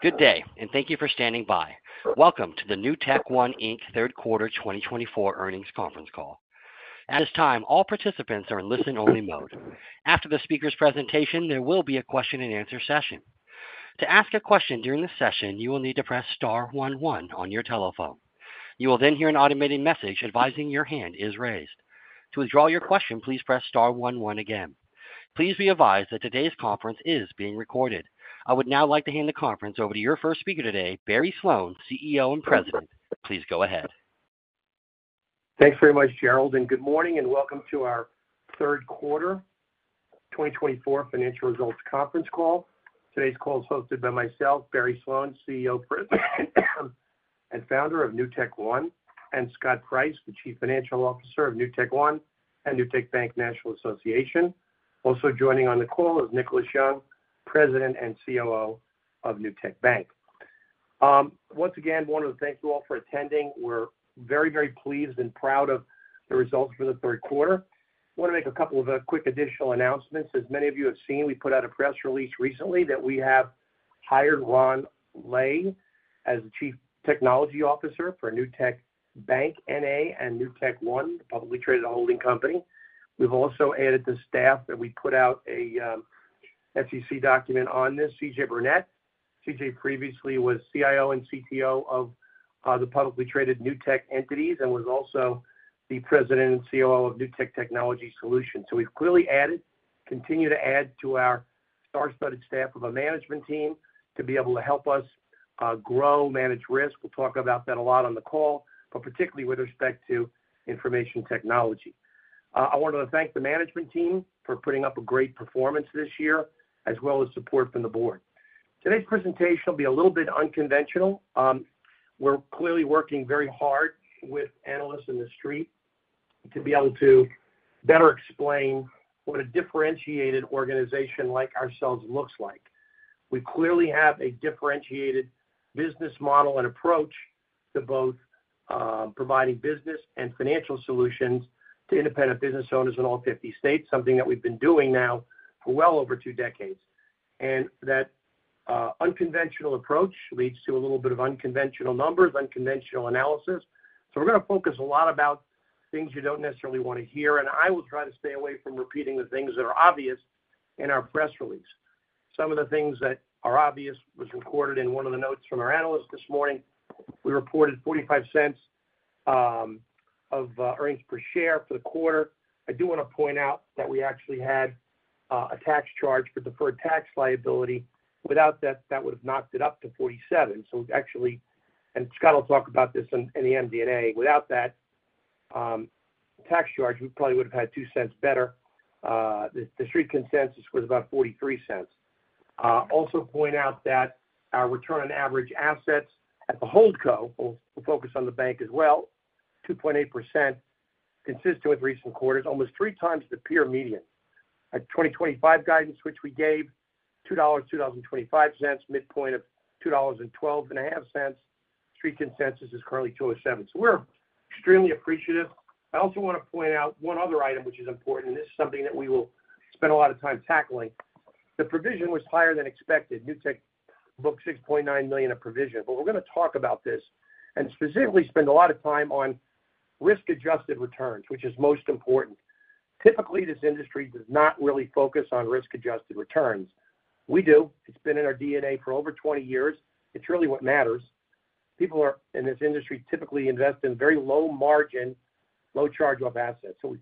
Good day, and thank you for standing by. Welcome to the NewtekOne, Inc Third Quarter 2024 earnings conference call. At this time, all participants are in listen-only mode. After the speaker's presentation, there will be a question-and-answer session. To ask a question during the session, you will need to press star 11 on your telephone. You will then hear an automated message advising your hand is raised. To withdraw your question, please press star one one again. Please be advised that today's conference is being recorded. I would now like to hand the conference over to your first speaker today, Barry Sloane, CEO and President. Please go ahead. Thanks very much, Gerald, and good morning, and welcome to our Third Quarter 2024 financial results conference call. Today's call is hosted by myself, Barry Sloane, CEO and founder of NewtekOne, and Scott Price, the Chief Financial Officer of NewtekOne and Newtek Bank National Association. Also joining on the call is Nicholas Young, President and COO of Newtek Bank. Once again, I want to thank you all for attending. We're very, very pleased and proud of the results for the Third Quarter. I want to make a couple of quick additional announcements. As many of you have seen, we put out a press release recently that we have hired Ron Lay as the Chief Technology Officer for Newtek Bank, N.A., and NewtekOne, a publicly traded holding company. We've also added the staff, and we put out an SEC document on this. C.J. Brunet, C.J. Previously was CIO and CTO of the publicly traded Newtek entities and was also the President and COO of Newtek Technology Solutions. So we've clearly added, continue to add to our star-studded staff of a management team to be able to help us grow, manage risk. We'll talk about that a lot on the call, but particularly with respect to information technology. I want to thank the management team for putting up a great performance this year, as well as support from the board. Today's presentation will be a little bit unconventional. We're clearly working very hard with analysts in the Street to be able to better explain what a differentiated organization like ourselves looks like. We clearly have a differentiated business model and approach to both providing business and financial solutions to independent business owners in all 50 states, something that we've been doing now for well over two decades. And that unconventional approach leads to a little bit of unconventional numbers, unconventional analysis. So we're going to focus a lot about things you don't necessarily want to hear, and I will try to stay away from repeating the things that are obvious in our press release. Some of the things that are obvious were recorded in one of the notes from our analysts this morning. We reported $0.45 of earnings per share for the quarter. I do want to point out that we actually had a tax charge for deferred tax liability. Without that, that would have knocked it up to $0.47. So actually, and Scott will talk about this in the MD&A, without that tax charge, we probably would have had $0.02 better. The Street consensus was about $0.43. Also point out that our return on average assets at the hold co, we'll focus on the bank as well, 2.8%, consistent with recent quarters, almost three times the peer median. Our 2025 guidance, which we gave $2.25, midpoint of $2.125, Street consensus is currently $2.07. So we're extremely appreciative. I also want to point out one other item, which is important, and this is something that we will spend a lot of time tackling. The provision was higher than expected. Newtek booked $6.9 million of provision, but we're going to talk about this and specifically spend a lot of time on risk-adjusted returns, which is most important. Typically, this industry does not really focus on risk-adjusted returns. We do. It's been in our DNA for over 20 years. It's really what matters. People in this industry typically invest in very low margin, low charge of assets. So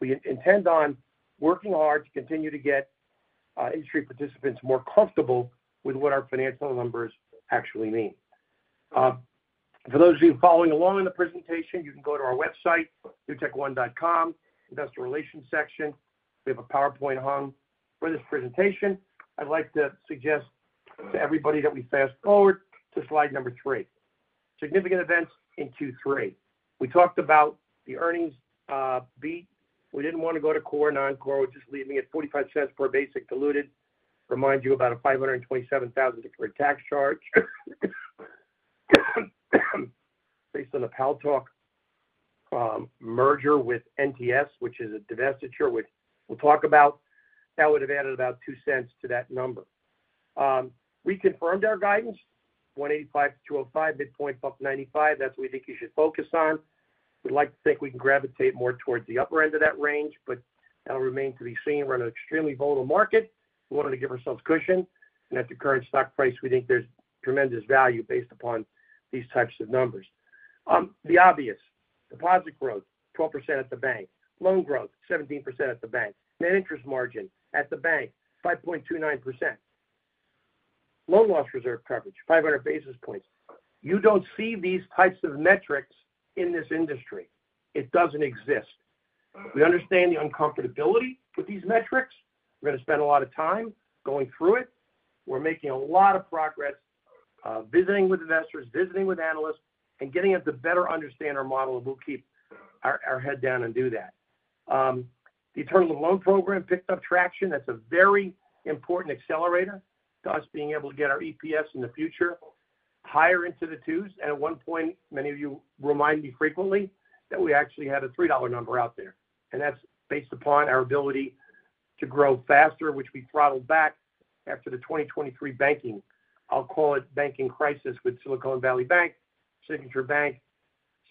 we intend on working hard to continue to get industry participants more comfortable with what our financial numbers actually mean. For those of you following along in the presentation, you can go to our website, newtekone.com, investor relations section. We have a PowerPoint hung for this presentation. I'd like to suggest to everybody that we fast forward to slide number three. Significant events in Q3. We talked about the earnings beat. We didn't want to go to core and non-core. We're just leaving it $0.45 per basic diluted. Remind you about a $527,000 tax charge based on the Paltalk merger with NTS, which is a divestiture we'll talk about. That would have added about $0.02 to that number. We confirmed our guidance, $185-$205, midpoint up $95. That's what we think you should focus on. We'd like to think we can gravitate more towards the upper end of that range, but that'll remain to be seen. We're in an extremely volatile market. We wanted to give ourselves cushion, and at the current stock price, we think there's tremendous value based upon these types of numbers. The obvious: deposit growth, 12% at the bank. Loan growth, 17% at the bank. Net interest margin at the bank, 5.29%. Loan loss reserve coverage, 500 basis points. You don't see these types of metrics in this industry. It doesn't exist. We understand the uncomfortability with these metrics. We're going to spend a lot of time going through it. We're making a lot of progress visiting with investors, visiting with analysts, and getting them to better understand our model, and we'll keep our head down and do that. The Alternative Loan Program picked up traction. That's a very important accelerator to us being able to get our EPS in the future higher into the twos, and at one point, many of you remind me frequently that we actually had a $3 number out there, and that's based upon our ability to grow faster, which we throttled back after the 2023 banking, I'll call it banking crisis with Silicon Valley Bank, Signature Bank,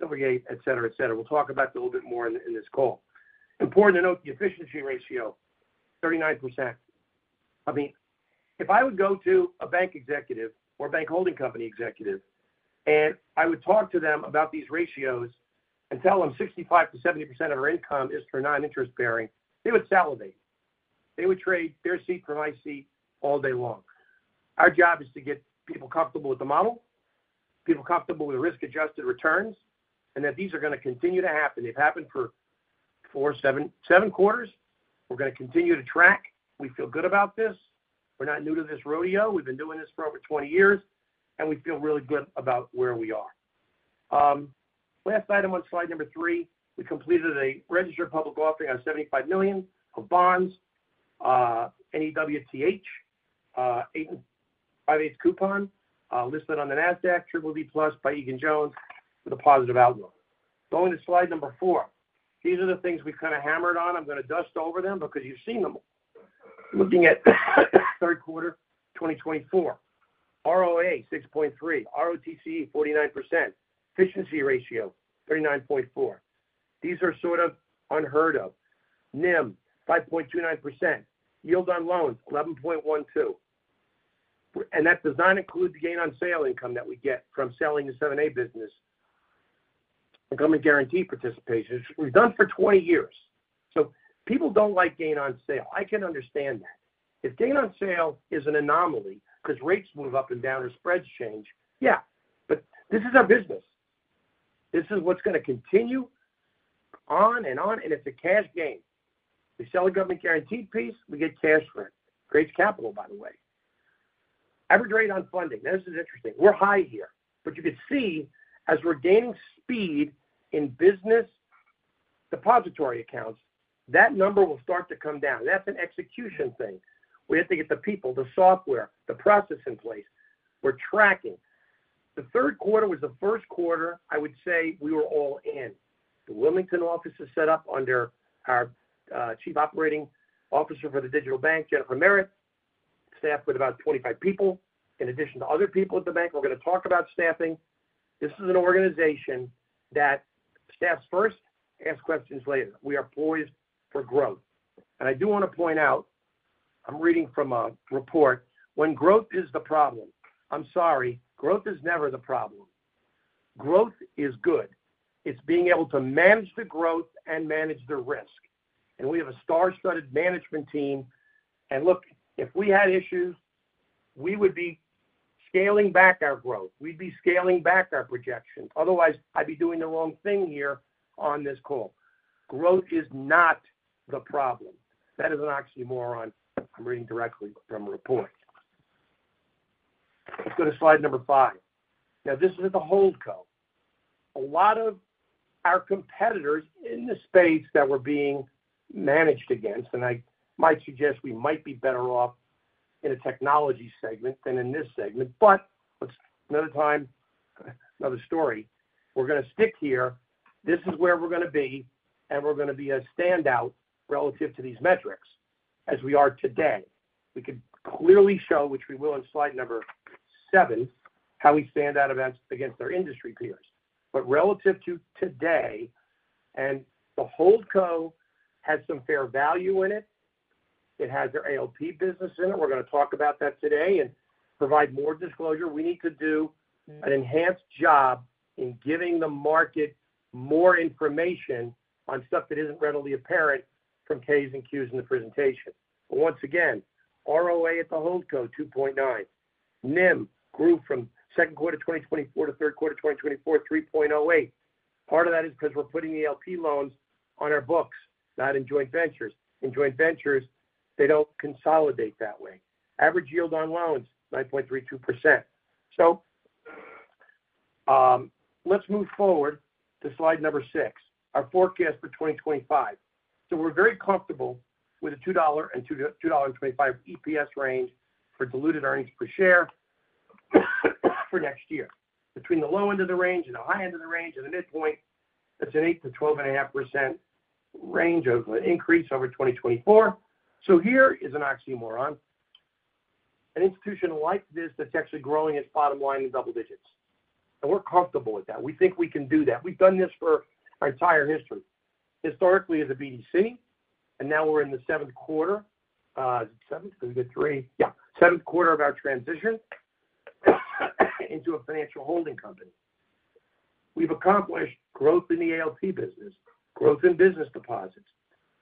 Silvergate Bank, et cetera, et cetera. We'll talk about that a little bit more in this call. Important to note, the efficiency ratio, 39%. I mean, if I would go to a bank executive or a bank holding company executive, and I would talk to them about these ratios and tell them 65%-70% of our income is for non-interest bearing, they would salivate. They would trade their seat from my seat all day long. Our job is to get people comfortable with the model, people comfortable with risk-adjusted returns, and that these are going to continue to happen. They've happened for four, seven, seven quarters. We're going to continue to track. We feel good about this. We're not new to this rodeo. We've been doing this for over 20 years, and we feel really good about where we are. Last item on slide number three, we completed a registered public offering of $75 million of bonds, NEWTH, 5.75% coupon, listed on the NASDAQ, BBB+ by Egan-Jones with a positive outlook. Going to slide number four, these are the things we've kind of hammered on. I'm going to dust over them because you've seen them. Looking at Third Quarter 2024, ROA 6.3%, ROTCE 49%, efficiency ratio 39.4%. These are sort of unheard of. NIM 5.29%, yield on loans 11.12%. That does not include the gain on sale income that we get from selling the 7(a) business and government guarantee participation. We've done it for 20 years. People don't like gain on sale. I can understand that. If gain on sale is an anomaly because rates move up and down or spreads change, yeah, but this is our business. This is what's going to continue on and on, and it's a cash gain. We sell a government guaranteed piece. We get cash for it. Great capital, by the way. Average rate on funding. Now, this is interesting. We're high here, but you can see as we're gaining speed in business depository accounts, that number will start to come down. That's an execution thing. We have to get the people, the software, the process in place. We're tracking. The third quarter was the first quarter, I would say, we were all in. The Wilmington office is set up under our Chief Operating Officer for the Digital Bank, Jennifer Merritt. Staffed with about 25 people in addition to other people at the bank. We're going to talk about staffing. This is an organization that staffs first, asks questions later. We are poised for growth. And I do want to point out. I'm reading from a report, when growth is the problem. I'm sorry, growth is never the problem. Growth is good. It's being able to manage the growth and manage the risk. And we have a star-studded management team. And look, if we had issues, we would be scaling back our growth. We'd be scaling back our projection. Otherwise, I'd be doing the wrong thing here on this call. Growth is not the problem. That is an oxymoron. I'm reading directly from a report. Let's go to slide number five. Now, this is at the hold co. A lot of our competitors in the space that we're being managed against, and I might suggest we might be better off in a technology segment than in this segment, but another time, another story. We're going to stick here. This is where we're going to be, and we're going to be a standout relative to these metrics as we are today. We can clearly show, which we will in slide number seven, how we stand out against our industry peers. But relative to today, and the hold co has some fair value in it. It has our ALP business in it. We're going to talk about that today and provide more disclosure. We need to do an enhanced job in giving the market more information on stuff that isn't readily apparent from Ks and Qs in the presentation. But once again, ROA at the hold co, 2.9%. NIM grew from second quarter 2024 to third quarter 2024, 3.08%. Part of that is because we're putting the ALP loans on our books, not in joint ventures. In joint ventures, they don't consolidate that way. Average yield on loans, 9.32%. Let's move forward to slide number six, our forecast for 2025. We're very comfortable with a $2-$2.25 EPS range for diluted earnings per share for next year. Between the low end of the range and the high end of the range and the midpoint, that's an 8%-12.5% range of increase over 2024. Here is an oxymoron. An institution like this that's actually growing its bottom line in double digits. We're comfortable with that. We think we can do that. We've done this for our entire history. Historically, as a BDC, and now we're in the seventh quarter. Is it seventh? Is it three? Yeah. Seventh quarter of our transition into a financial holding company. We've accomplished growth in the ALP business, growth in business deposits.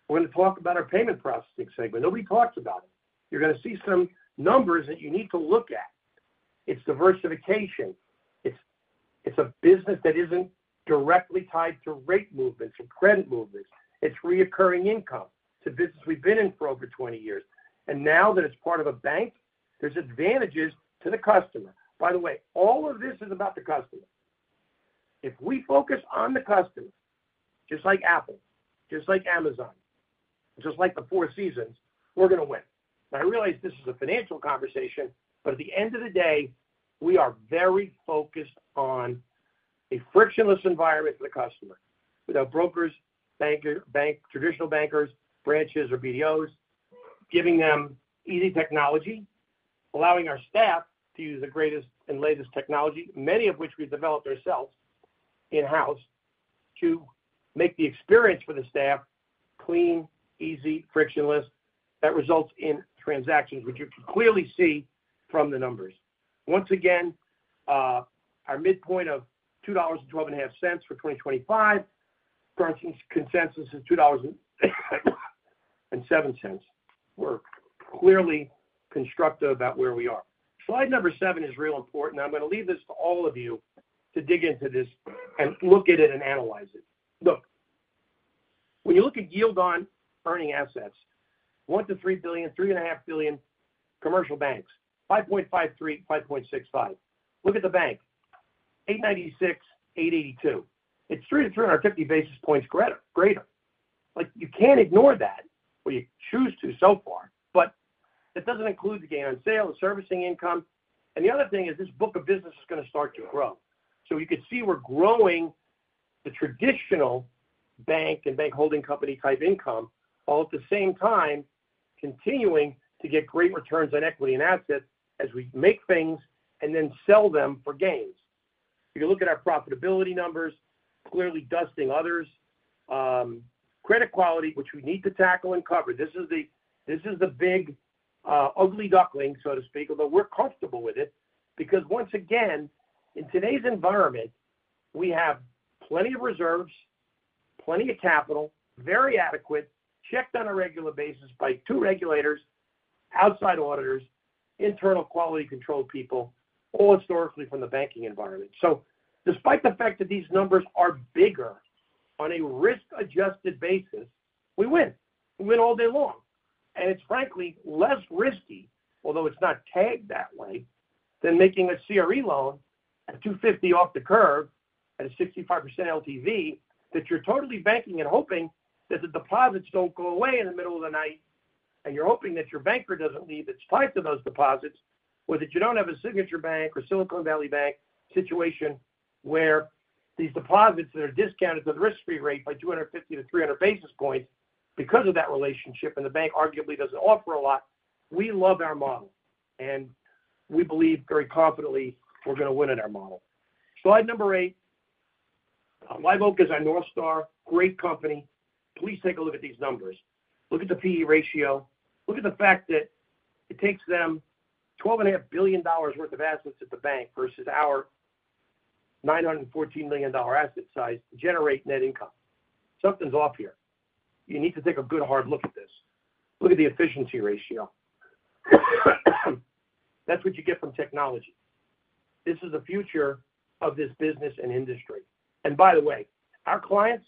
We're going to talk about our payment processing segment. Nobody talks about it. You're going to see some numbers that you need to look at. It's diversification. It's a business that isn't directly tied to rate movements or credit movements. It's recurring income. It's a business we've been in for over 20 years. And now that it's part of a bank, there's advantages to the customer. By the way, all of this is about the customer. If we focus on the customer, just like Apple, just like Amazon, just like the Four Seasons, we're going to win. And I realize this is a financial conversation, but at the end of the day, we are very focused on a frictionless environment for the customer with our brokers, traditional bankers, branches, or BDOs, giving them easy technology, allowing our staff to use the greatest and latest technology, many of which we've developed ourselves in-house to make the experience for the staff clean, easy, frictionless. That results in transactions, which you can clearly see from the numbers. Once again, our midpoint of $2.125 for 2025, consensus is $2.07. We're clearly constructive about where we are. Slide number seven is real important. I'm going to leave this to all of you to dig into this and look at it and analyze it. Look, when you look at yield on earning assets, $1 billion-$3 billion, $3.5 billion commercial banks, 5.53, 5.65. Look at the bank, 8.96, 8.82. It's 300-350 basis points greater. You can't ignore that or you choose to so far, but that doesn't include the gain on sale, the servicing income. And the other thing is this book of business is going to start to grow. So you can see we're growing the traditional bank and bank holding company type income while at the same time continuing to get great returns on equity and assets as we make things and then sell them for gains. If you look at our profitability numbers, clearly dusting others, credit quality, which we need to tackle and cover. This is the big ugly duckling, so to speak, although we're comfortable with it because once again, in today's environment, we have plenty of reserves, plenty of capital, very adequate, checked on a regular basis by two regulators, outside auditors, internal quality control people, all historically from the banking environment. So despite the fact that these numbers are bigger on a risk-adjusted basis, we win. We win all day long. It's frankly less risky, although it's not tagged that way, than making a CRE loan at 250 off the curve at a 65% LTV that you're totally banking and hoping that the deposits don't go away in the middle of the night, and you're hoping that your banker doesn't leave its plight to those deposits, or that you don't have a Signature Bank or Silicon Valley Bank situation where these deposits that are discounted to the risk-free rate by 250-300 basis points because of that relationship, and the bank arguably doesn't offer a lot. We love our model, and we believe very confidently we're going to win at our model. Slide number eight, Live Oak is our North Star, great company. Please take a look at these numbers. Look at the PE ratio. Look at the fact that it takes them $12.5 billion worth of assets at the bank versus our $914 million asset size to generate net income. Something's off here. You need to take a good hard look at this. Look at the efficiency ratio. That's what you get from technology. This is the future of this business and industry. And by the way, our clients,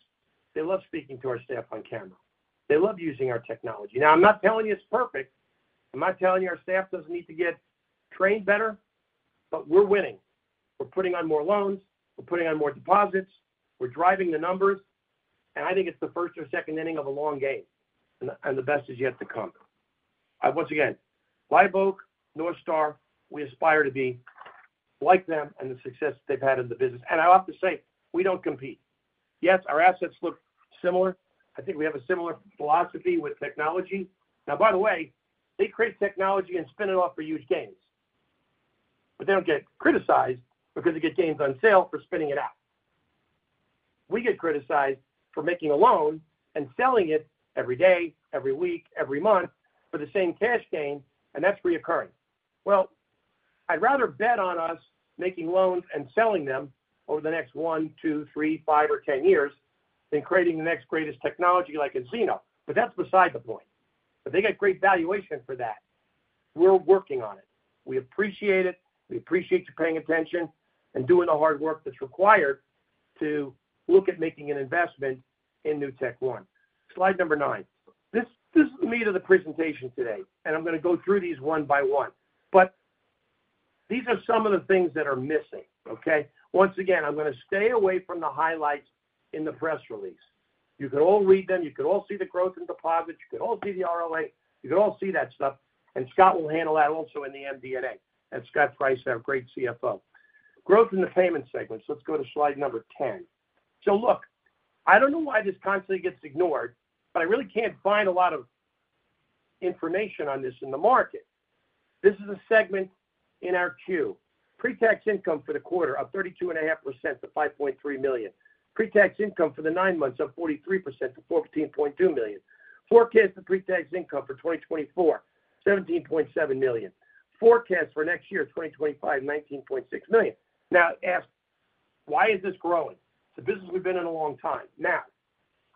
they love speaking to our staff on camera. They love using our technology. Now, I'm not telling you it's perfect. I'm not telling you our staff doesn't need to get trained better, but we're winning. We're putting on more loans. We're putting on more deposits. We're driving the numbers. And I think it's the first or second inning of a long game, and the best is yet to come. Once again, Live Oak, North Star, we aspire to be like them and the success they've had in the business. And I have to say, we don't compete. Yes, our assets look similar. I think we have a similar philosophy with technology. Now, by the way, they create technology and spin it off for huge gains, but they don't get criticized because they get gains on sale for spinning it out. We get criticized for making a loan and selling it every day, every week, every month for the same cash gain, and that's recurring. Well, I'd rather bet on us making loans and selling them over the next one, two, three, five, or ten years than creating the next greatest technology like nCino, but that's beside the point. But they get great valuation for that. We're working on it. We appreciate it. We appreciate you paying attention and doing the hard work that's required to look at making an investment in NewtekOne. Slide number nine. This is the meat of the presentation today, and I'm going to go through these one by one, but these are some of the things that are missing, okay? Once again, I'm going to stay away from the highlights in the press release. You can all read them. You can all see the growth in deposits. You can all see the ROA. You can all see that stuff. And Scott will handle that also in the MD&A. That's Scott Price, our great CFO. Growth in the payment segments. Let's go to slide number 10. So look, I don't know why this constantly gets ignored, but I really can't find a lot of information on this in the market. This is a segment in our Q. Pretax income for the quarter of 32.5% to $5.3 million. Pretax income for the nine months of 43% to $14.2 million. Forecast for pretax income for 2024, $17.7 million. Forecast for next year, 2025, $19.6 million. Now, ask why is this growing? It's a business we've been in a long time. Now,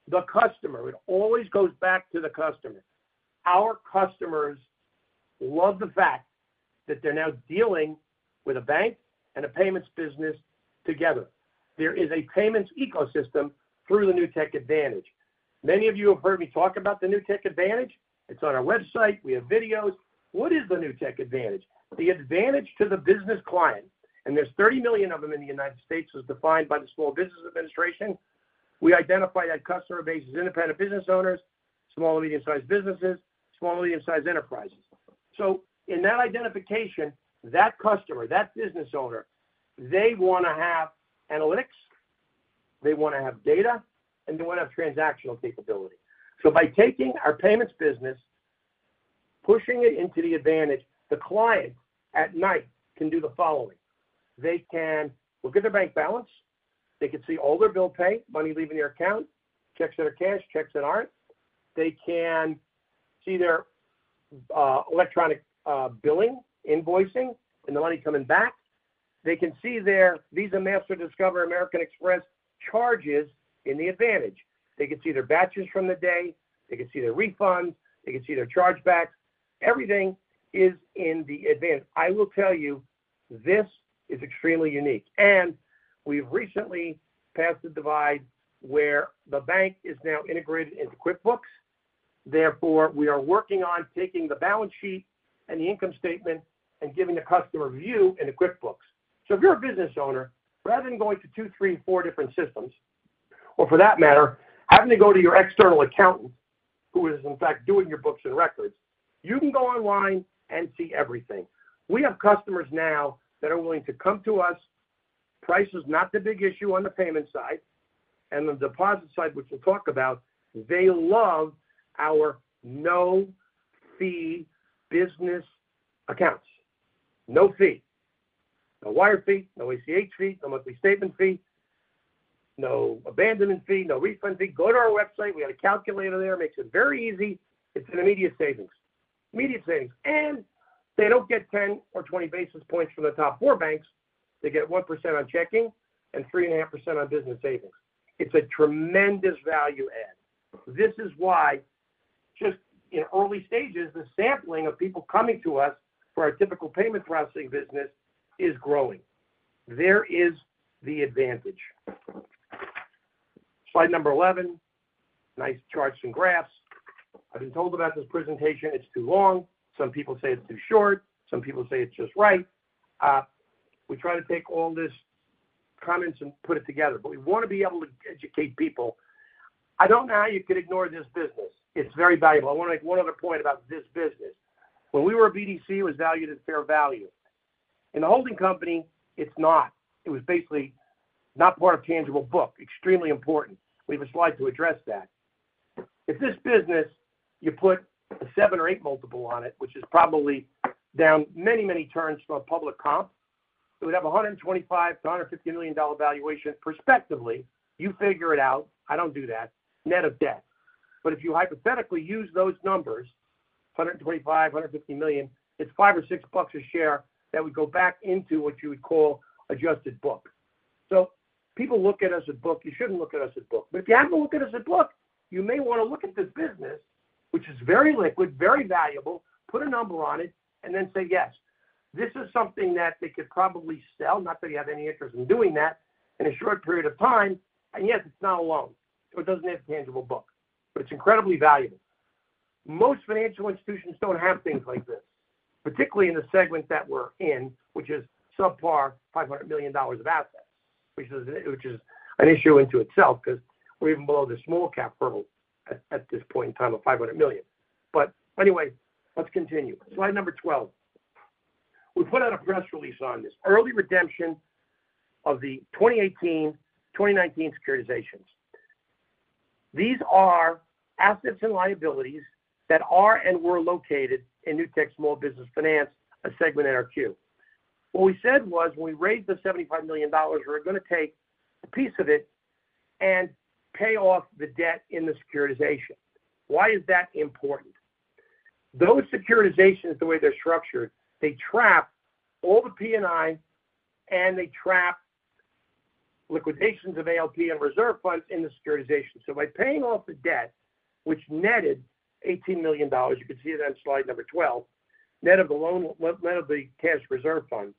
the customer always goes back to the customer. Our customers love the fact that they're now dealing with a bank and a payments business together. There is a payments ecosystem through the Newtek Advantage. Many of you have heard me talk about the Newtek Advantage. It's on our website. We have videos. What is the Newtek Advantage? The advantage to the business client, and there's 30 million of them in the United States as defined by the Small Business Administration. We identify that customer base as independent business owners, small and medium-sized businesses, small and medium-sized enterprises. So in that identification, that customer, that business owner, they want to have analytics. They want to have data, and they want to have transactional capability. So by taking our payments business, pushing it into the advantage, the client at night can do the following. They can look at their bank balance. They can see all their bill pay, money leaving their account, checks that are cash, checks that aren't. They can see their electronic billing, invoicing, and the money coming back. They can see their Visa, Mastercard, Discover, American Express charges in the advantage. They can see their batches from the day. They can see their refunds. They can see their chargebacks. Everything is in the advantage. I will tell you, this is extremely unique. And we've recently passed a divide where the bank is now integrated into QuickBooks. Therefore, we are working on taking the balance sheet and the income statement and giving the customer view into QuickBooks. So if you're a business owner, rather than going to two, three, four different systems, or for that matter, having to go to your external accountant who is, in fact, doing your books and records, you can go online and see everything. We have customers now that are willing to come to us. Price is not the big issue on the payment side. And the deposit side, which we'll talk about, they love our no-fee business accounts. No fee. No wire fee, no ACH fee, no monthly statement fee, no abandonment fee, no refund fee. Go to our website. We have a calculator there. It makes it very easy. It's an immediate savings. Immediate savings. And they don't get 10 or 20 basis points from the top four banks. They get 1% on checking and 3.5% on business savings. It's a tremendous value add. This is why just in early stages, the sampling of people coming to us for our typical payment processing business is growing. There is the advantage. Slide number 11. Nice charts and graphs. I've been told about this presentation. It's too long. Some people say it's too short. Some people say it's just right. We try to take all these comments and put it together, but we want to be able to educate people. I don't know how you can ignore this business. It's very valuable. I want to make one other point about this business. When we were a BDC, it was valued at fair value. In the holding company, it's not. It was basically not part of tangible book. Extremely important. We have a slide to address that. If this business, you put a seven or eight multiple on it, which is probably down many, many turns from a public comp, it would have a $125 million-$150 million valuation prospectively. You figure it out. I don't do that. Net of debt. But if you hypothetically use those numbers, $125 million-$150 million, it's five or six bucks a share that would go back into what you would call adjusted book. So people look at us at book. You shouldn't look at us at book. But if you happen to look at us at book, you may want to look at this business, which is very liquid, very valuable, put a number on it, and then say, "Yes. This is something that they could probably sell, not that they have any interest in doing that in a short period of time," and yes, it's not a loan. It doesn't have tangible book, but it's incredibly valuable. Most financial institutions don't have things like this, particularly in the segment that we're in, which is sub-$500 million of assets, which is an issue in and of itself because we're even below the small cap hurdle at this point in time of $500 million. But anyway, let's continue. Slide number 12. We put out a press release on this. Early redemption of the 2018, 2019 securitizations. These are assets and liabilities that are and were located in Newtek Small Business Finance, a segment in our Q. What we said was when we raised the $75 million, we're going to take a piece of it and pay off the debt in the securitization. Why is that important? Those securitizations, the way they're structured, they trap all the P&I, and they trap liquidations of ALP and reserve funds in the securitization. So by paying off the debt, which netted $18 million, you can see that on slide number 12, net of the loan, net of the cash reserve funds,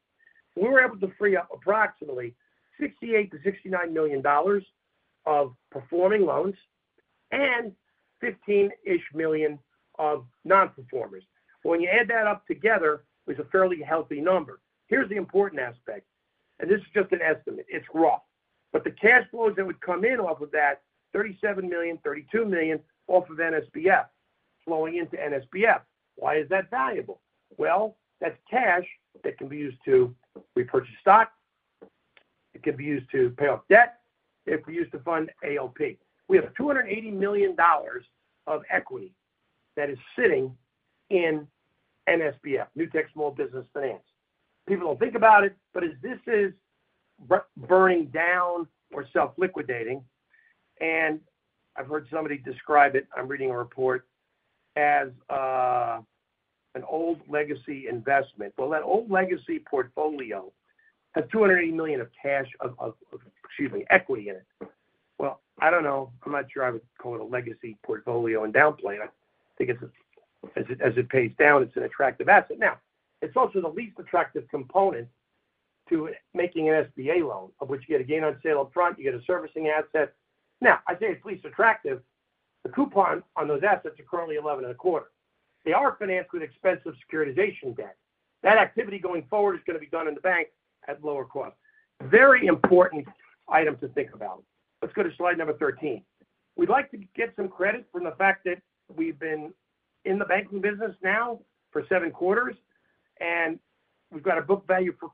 we were able to free up approximately $68 million-$69 million of performing loans and $15-ish million of non-performers. When you add that up together, it was a fairly healthy number. Here's the important aspect, and this is just an estimate. It's rough, but the cash flows that would come in off of that, $37 million, $32 million off of NSBF, flowing into NSBF. Why is that valuable? Well, that's cash that can be used to repurchase stock. It can be used to pay off debt. It can be used to fund ALP. We have $280 million of equity that is sitting in NSBF, Newtek Small Business Finance. People don't think about it, but as this is winding down or self-liquidating, and I've heard somebody describe it, I'm reading a report, as an old legacy investment. That old legacy portfolio has $280 million of cash, excuse me, equity in it. I don't know. I'm not sure I would call it a legacy portfolio to downplay. I think as it pays down, it's an attractive asset. Now, it's also the least attractive component to making an SBA loan, of which you get a gain on sale upfront. You get a servicing asset. Now, I say it's least attractive. The coupon on those assets is currently 11.25%. They are financed with expensive securitization debt. That activity going forward is going to be done in the bank at lower cost. Very important item to think about. Let's go to slide number 13. We'd like to get some credit from the fact that we've been in the banking business now for seven quarters, and we've got a book value per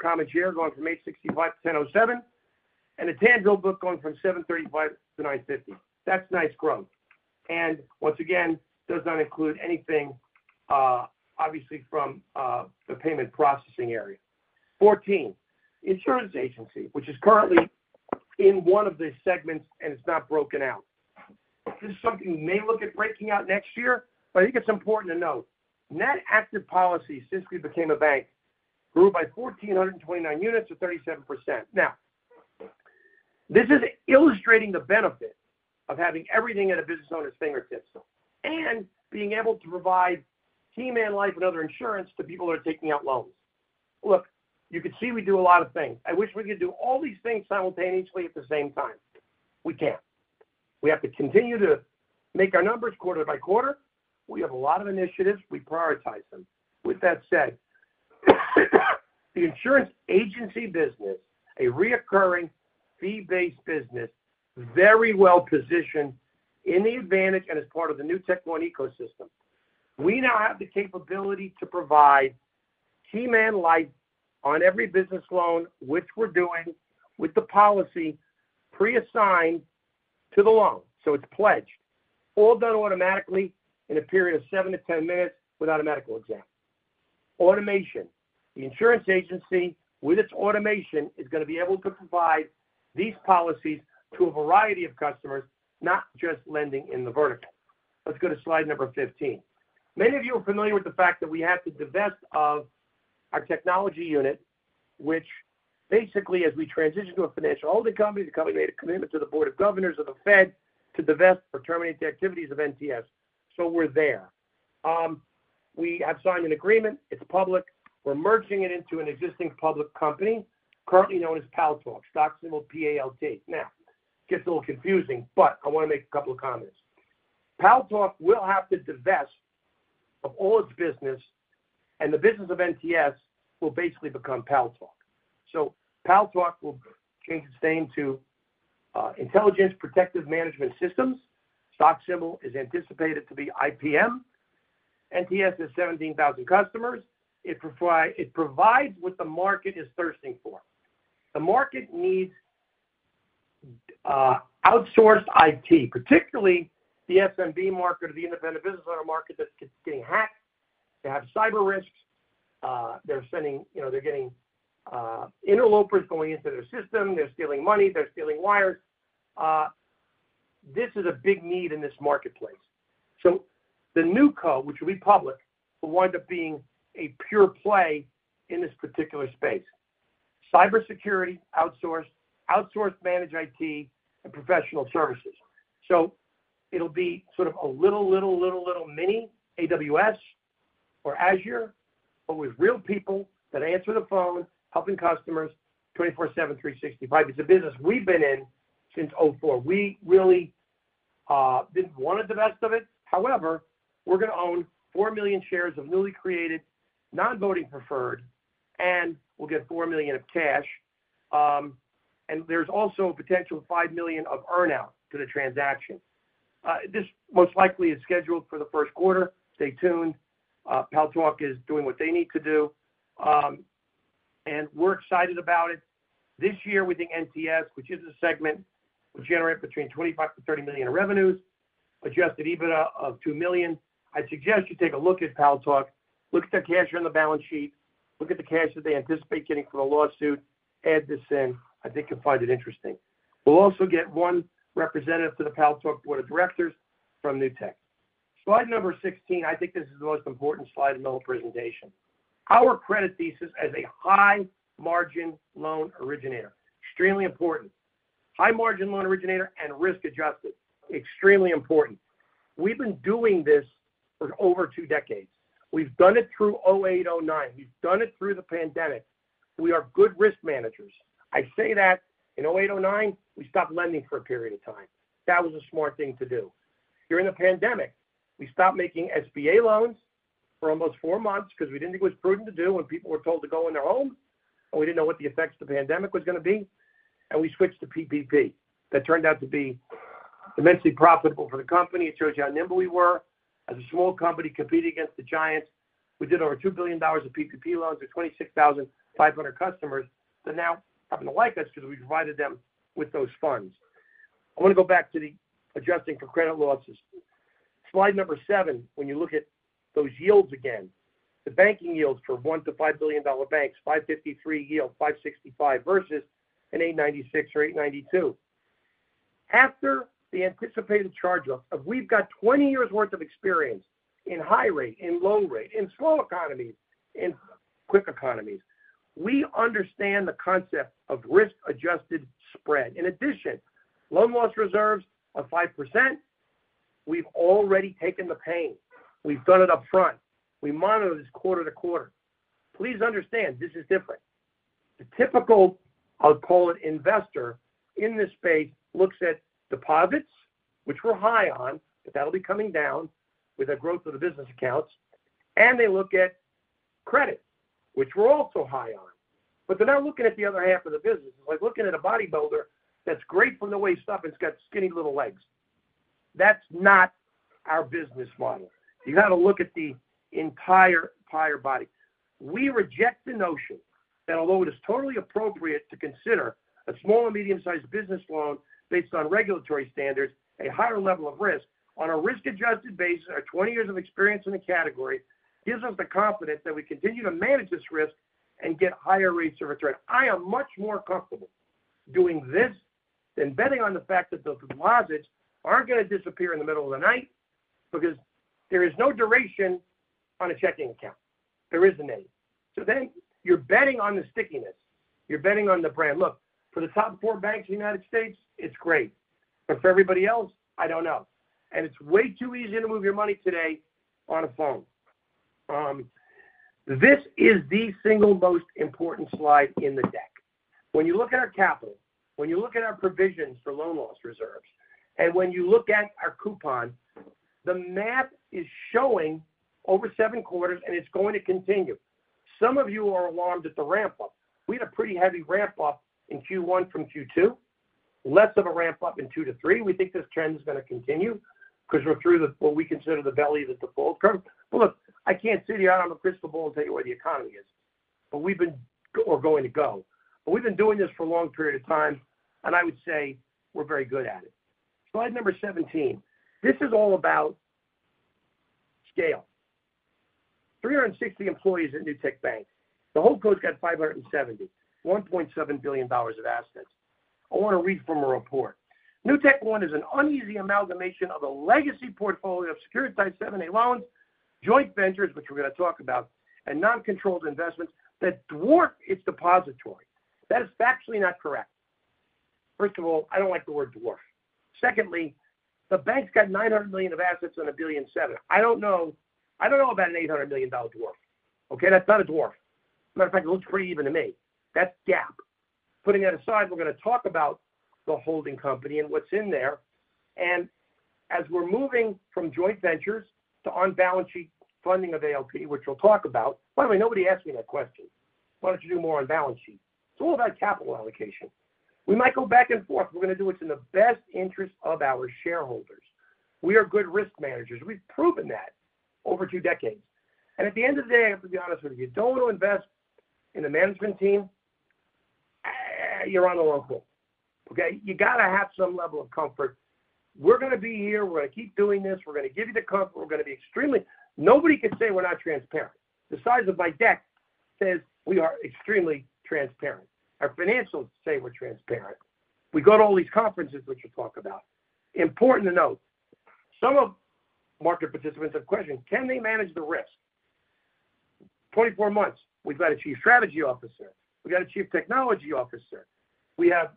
common share going from $8.65-$10.07, and a tangible book going from $7.35-$9.50. That's nice growth, and once again, does not include anything, obviously, from the payment processing area. 14, insurance agency, which is currently in one of the segments, and it's not broken out. This is something we may look at breaking out next year, but I think it's important to note. Net active policy since we became a bank grew by 1,429 units to 37%. Now, this is illustrating the benefit of having everything at a business owner's fingertips and being able to provide term and life and other insurance to people that are taking out loans. Look, you can see we do a lot of things. I wish we could do all these things simultaneously at the same time. We can't. We have to continue to make our numbers quarter by quarter. We have a lot of initiatives. We prioritize them. With that said, the insurance agency business, a recurring fee-based business, very well positioned in the advantage and as part of the NewtekOne ecosystem. We now have the capability to provide term and life on every business loan, which we're doing with the policy preassigned to the loan. So it's pledged. All done automatically in a period of seven to 10 minutes without a medical exam. Automation. The insurance agency, with its automation, is going to be able to provide these policies to a variety of customers, not just lending in the vertical. Let's go to slide number 15. Many of you are familiar with the fact that we had to divest of our technology unit, which basically, as we transitioned to a financial holding company, the company made a commitment to the Board of Governors of the Fed to divest or terminate the activities of NTS. So we're there. We have signed an agreement. It's public. We're merging it into an existing public company, currently known as Paltalk, stock symbol PALT. Now, it gets a little confusing, but I want to make a couple of comments. Paltalk will have to divest of all its business, and the business of NTS will basically become Paltalk. So Paltalk will change its name to Intelligent Protection Management Systems. Stock symbol is anticipated to be IPM. NTS has 17,000 customers. It provides what the market is thirsting for. The market needs outsourced IT, particularly the SMB market or the independent business owner market that's getting hacked. They have cyber risks. They're getting interlopers going into their system. They're stealing money. They're stealing wires. This is a big need in this marketplace. So the newco, which will be public, will wind up being a pure play in this particular space. Cybersecurity, outsourced, outsourced managed IT, and professional services. So it'll be sort of a little, little, little, little mini AWS or Azure, but with real people that answer the phone, helping customers 24/7, 365. It's a business we've been in since 2004. We really want the best of it. However, we're going to own 4 million shares of newly created non-voting preferred, and we'll get $4 million of cash. There's also a potential $5 million of earnout to the transaction. This most likely is scheduled for the first quarter. Stay tuned. Paltalk is doing what they need to do. We're excited about it. This year, we think NTS, which is a segment, will generate between $25 million-$30 million in revenues, adjusted EBITDA of $2 million. I suggest you take a look at Paltalk. Look at their cash on the balance sheet. Look at the cash that they anticipate getting for the lawsuit. Add this in. I think you'll find it interesting. We'll also get one representative to the Paltalk Board of Directors from Newtek. Slide number 16, I think this is the most important slide in the whole presentation. Our credit thesis as a high-margin loan originator. Extremely important. High-margin loan originator and risk adjusted. Extremely important. We've been doing this for over two decades. We've done it through 2008, 2009. We've done it through the pandemic. We are good risk managers. I say that in 2008, 2009, we stopped lending for a period of time. That was a smart thing to do. During the pandemic, we stopped making SBA loans for almost four months because we didn't think it was prudent to do when people were told to go in their homes, and we didn't know what the effects of the pandemic was going to be. And we switched to PPP. That turned out to be immensely profitable for the company. It shows you how nimble we were as a small company competing against the giants. We did over $2 billion of PPP loans to 26,500 customers that now happen to like us because we provided them with those funds. I want to go back to the adjusting for credit losses. Slide number seven, when you look at those yields again, the banking yields for $1 billion-$5 billion banks, 553 yield, 565 versus an 896 or 892. After the anticipated charge-off, we've got 20 years' worth of experience in high rate, in low rate, in slow economies, in quick economies. We understand the concept of risk-adjusted spread. In addition, loan loss reserves of 5%. We've already taken the pain. We've done it upfront. We monitor this quarter to quarter. Please understand, this is different. The typical, I'll call it investor in this space looks at deposits, which we're high on, but that'll be coming down with the growth of the business accounts. And they look at credit, which we're also high on. But they're not looking at the other half of the business. It's like looking at a bodybuilder that's great from the waist up and has got skinny little legs. That's not our business model. You've got to look at the entire, entire body. We reject the notion that although it is totally appropriate to consider a small and medium-sized business loan based on regulatory standards, a higher level of risk on a risk-adjusted basis or 20 years of experience in the category gives us the confidence that we continue to manage this risk and get higher rates of return. I am much more comfortable doing this than betting on the fact that the deposits aren't going to disappear in the middle of the night because there is no duration on a checking account. There isn't any. So then you're betting on the stickiness. You're betting on the brand. Look, for the top four banks in the United States, it's great. But for everybody else, I don't know. And it's way too easy to move your money today on a phone. This is the single most important slide in the deck. When you look at our capital, when you look at our provisions for loan loss reserves, and when you look at our coupon, the map is showing over seven quarters, and it's going to continue. Some of you are alarmed at the ramp-up. We had a pretty heavy ramp-up in Q1 from Q2, less of a ramp-up in Q2 to Q3. We think this trend is going to continue because we're through what we consider the belly of the default curve. But look, I can't see into a crystal ball and tell you where the economy is or going to go. But we've been doing this for a long period of time, and I would say we're very good at it. Slide number 17. This is all about scale. 360 employees at Newtek Bank. The whole company has 570, $1.7 billion of assets. I want to read from a report. NewtekOne is an uneasy amalgamation of a legacy portfolio of securitized 7(a) loans, joint ventures, which we're going to talk about, and non-controlled investments that dwarf its depository. That is factually not correct. First of all, I don't like the word dwarf. Secondly, the bank's got $900 million of assets and a billion in deposits. I don't know about an $800 million dwarf. Okay? That's not a dwarf. As a matter of fact, it looks pretty even to me. That's gap. Putting that aside, we're going to talk about the holding company and what's in there, as we're moving from joint ventures to on-balance sheet funding of ALP, which we'll talk about. By the way, nobody asked me that question. Why don't you do more on-balance sheet? It's all about capital allocation. We might go back and forth. We're going to do what's in the best interest of our shareholders. We are good risk managers. We've proven that over two decades. At the end of the day, I have to be honest with you, don't want to invest in the management team, you're on the low quote. Okay? You got to have some level of comfort. We're going to be here. We're going to keep doing this. We're going to give you the comfort. We're going to be extremely transparent. Nobody can say we're not transparent. The size of my deck says we are extremely transparent. Our financials say we're transparent. We go to all these conferences, which we'll talk about. Important to note, some market participants have questions. Can they manage the risk? In 24 months, we've got a Chief Strategy Officer. We've got a Chief Technology Officer. We have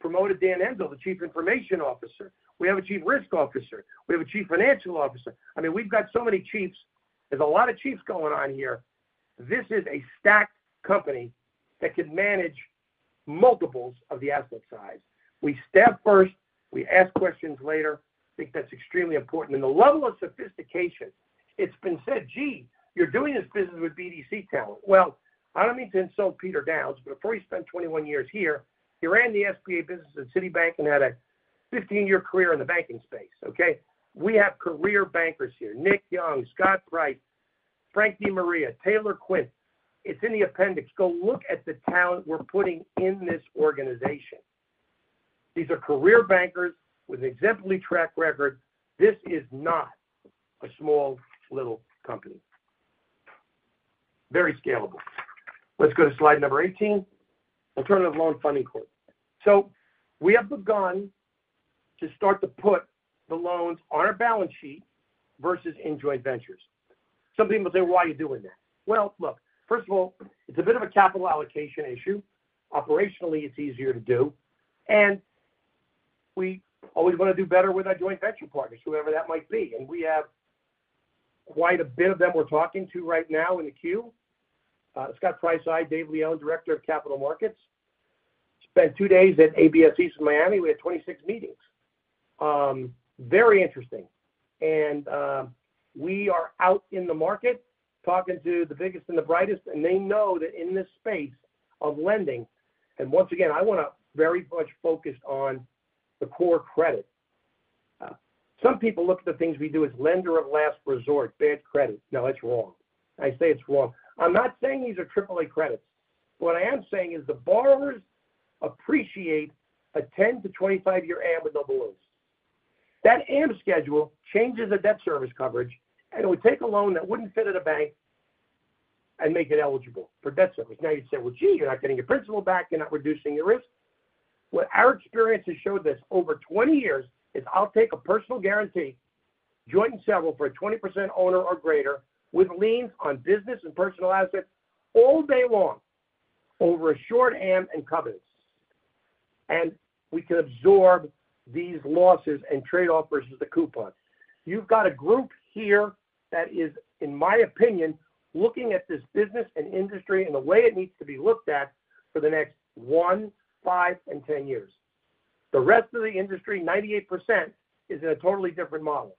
promoted Dan Hendel, the Chief Information Officer. We have a Chief Risk Officer. We have a Chief Financial Officer. I mean, we've got so many chiefs. There's a lot of chiefs going on here. This is a stacked company that can manage multiples of the asset size. We staff first. We ask questions later. I think that's extremely important. The level of sophistication, it's been said, "Gee, you're doing this business with BDC talent." I don't mean to insult Peter Downs, but before he spent 21 years here, he ran the SBA business at Citibank and had a 15-year career in the banking space. Okay? We have career bankers here. Nick Young, Scott Price, Frank DeMaria, Taylor Quinn. It's in the appendix. Go look at the talent we're putting in this organization. These are career bankers with an exemplary track record. This is not a small little company. Very scalable. Let's go to slide number 18. Alternative Loan Funding Court. So we have begun to start to put the loans on our balance sheet versus in joint ventures. Some people say, "Why are you doing that?" Look, first of all, it's a bit of a capital allocation issue. Operationally, it's easier to do. We always want to do better with our joint venture partners, whoever that might be. We have quite a bit of them we're talking to right now in the queue. Scott Price, CFO, Dave Leon, director of capital markets. Spent two days at ABS East Miami. We had 26 meetings. Very interesting. We are out in the market talking to the biggest and the brightest. They know that in this space of lending. Once again, I want to very much focus on the core credit. Some people look at the things we do as lender of last resort, bad credit. No, that's wrong. I say it's wrong. I'm not saying these are AAA credits. What I am saying is the borrowers appreciate a 10-25 year AMB double loans. That AMB schedule changes the debt service coverage, and it would take a loan that wouldn't fit at a bank and make it eligible for debt service. Now you'd say, "Well, gee, you're not getting your principal back. You're not reducing your risk." What our experience has showed this over 20 years is I'll take a personal guarantee, joint and several, for a 20% owner or greater with liens on business and personal assets all day long over a short AMB and covers. And we can absorb these losses and trade-off versus the coupon. You've got a group here that is, in my opinion, looking at this business and industry in the way it needs to be looked at for the next one, five, and 10 years. The rest of the industry, 98%, is in a totally different model,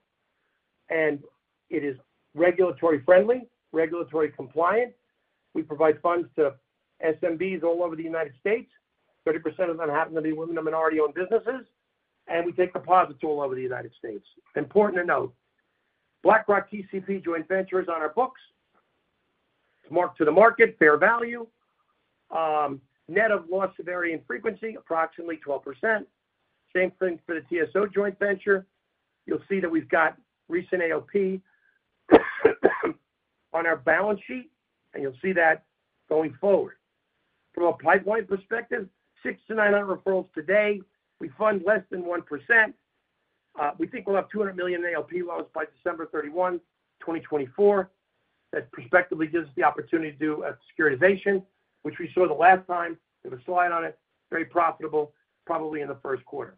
and it is regulatory-friendly, regulatory-compliant. We provide funds to SMBs all over the United States. 30% of them happen to be women- and minority-owned businesses. We take deposits all over the United States. Important to note, BlackRock TCP joint ventures on our books. It's marked to the market, fair value. Net of loss provisions, approximately 12%. Same thing for the NTS joint venture. You'll see that we've got recent ALP on our balance sheet, and you'll see that going forward. From a pipeline perspective, 6-900 referrals today. We fund less than 1%. We think we'll have $200 million ALP loans by December 31, 2024. That prospectively gives us the opportunity to do a securitization, which we saw the last time. We have a slide on it. Very profitable, probably in the first quarter.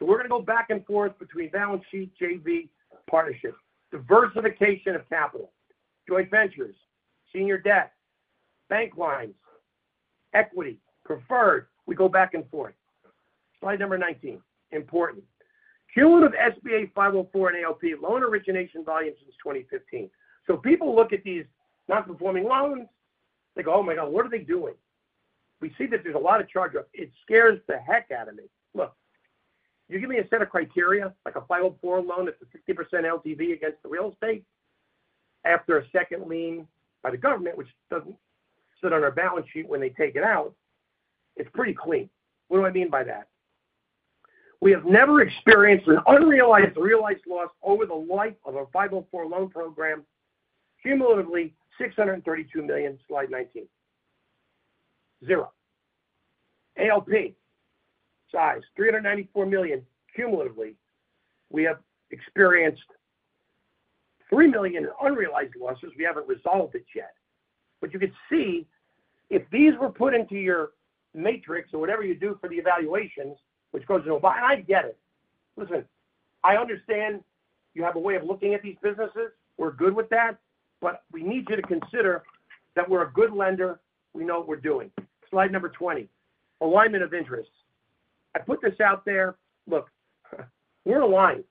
We're going to go back and forth between balance sheet, JV, partnership. Diversification of capital. Joint ventures. Senior debt. Bank lines. Equity. Preferred. We go back and forth. Slide number 19. Important. Cumulative SBA 504 and ALP loan origination volume since 2015. So people look at these non-performing loans. They go, "Oh my God, what are they doing?" We see that there's a lot of charge-off. It scares the heck out of me. Look, you give me a set of criteria, like a 504 loan that's a 50% LTV against the real estate after a second lien by the government, which doesn't sit on our balance sheet when they take it out. It's pretty clean. What do I mean by that? We have never experienced an unrealized realized loss over the life of a 504 loan program. Cumulatively, $632 million. Slide 19. Zero. ALP size, $394 million cumulatively. We have experienced $3 million unrealized losses. We haven't resolved it yet. But you could see if these were put into your matrix or whatever you do for the evaluations, which goes to, and I get it. Listen, I understand you have a way of looking at these businesses. We're good with that. But we need you to consider that we're a good lender. We know what we're doing. Slide number 20. Alignment of interests. I put this out there. Look, we're aligned.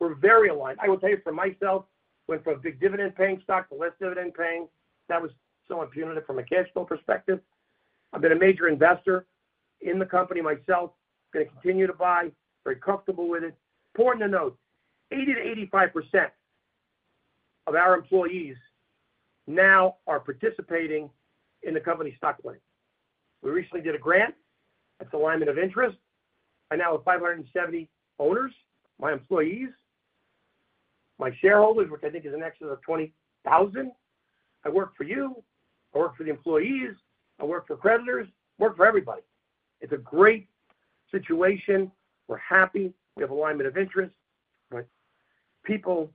We're very aligned. I will tell you for myself, went from big dividend-paying stock to less dividend-paying. That was somewhat punitive from a cash flow perspective. I've been a major investor in the company myself. I'm going to continue to buy. Very comfortable with it. Important to note, 80%-85% of our employees now are participating in the company's stock plan. We recently did a grant. It's alignment of interest. I now have 570 owners, my employees, my shareholders, which I think is an excess of 20,000. I work for you. I work for the employees. I work for creditors. I work for everybody. It's a great situation. We're happy. We have alignment of interest. But people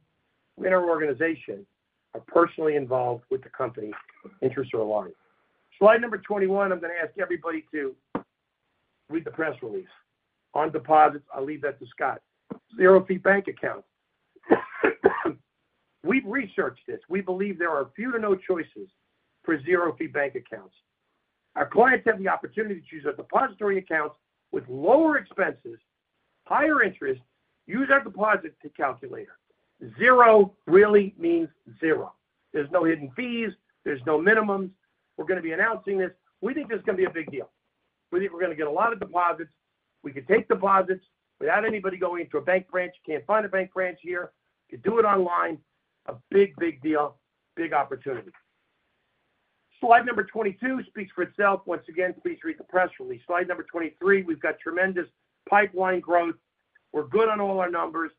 in our organization are personally involved with the company. Interests are aligned. Slide number 21. I'm going to ask everybody to read the press release. On deposits, I'll leave that to Scott. zero-fee bank accounts. We've researched this. We believe there are few to no choices for zero-fee bank accounts. Our clients have the opportunity to use our depository accounts with lower expenses, higher interest, use our deposit calculator. Zero really means zero. There's no hidden fees. There's no minimums. We're going to be announcing this. We think this is going to be a big deal. We think we're going to get a lot of deposits. We can take deposits without anybody going to a bank branch. You can't find a bank branch here. You can do it online. A big, big deal. Big opportunity. Slide number 22 speaks for itself. Once again, please read the press release. Slide number 23. We've got tremendous pipeline growth. We're good on all our numbers.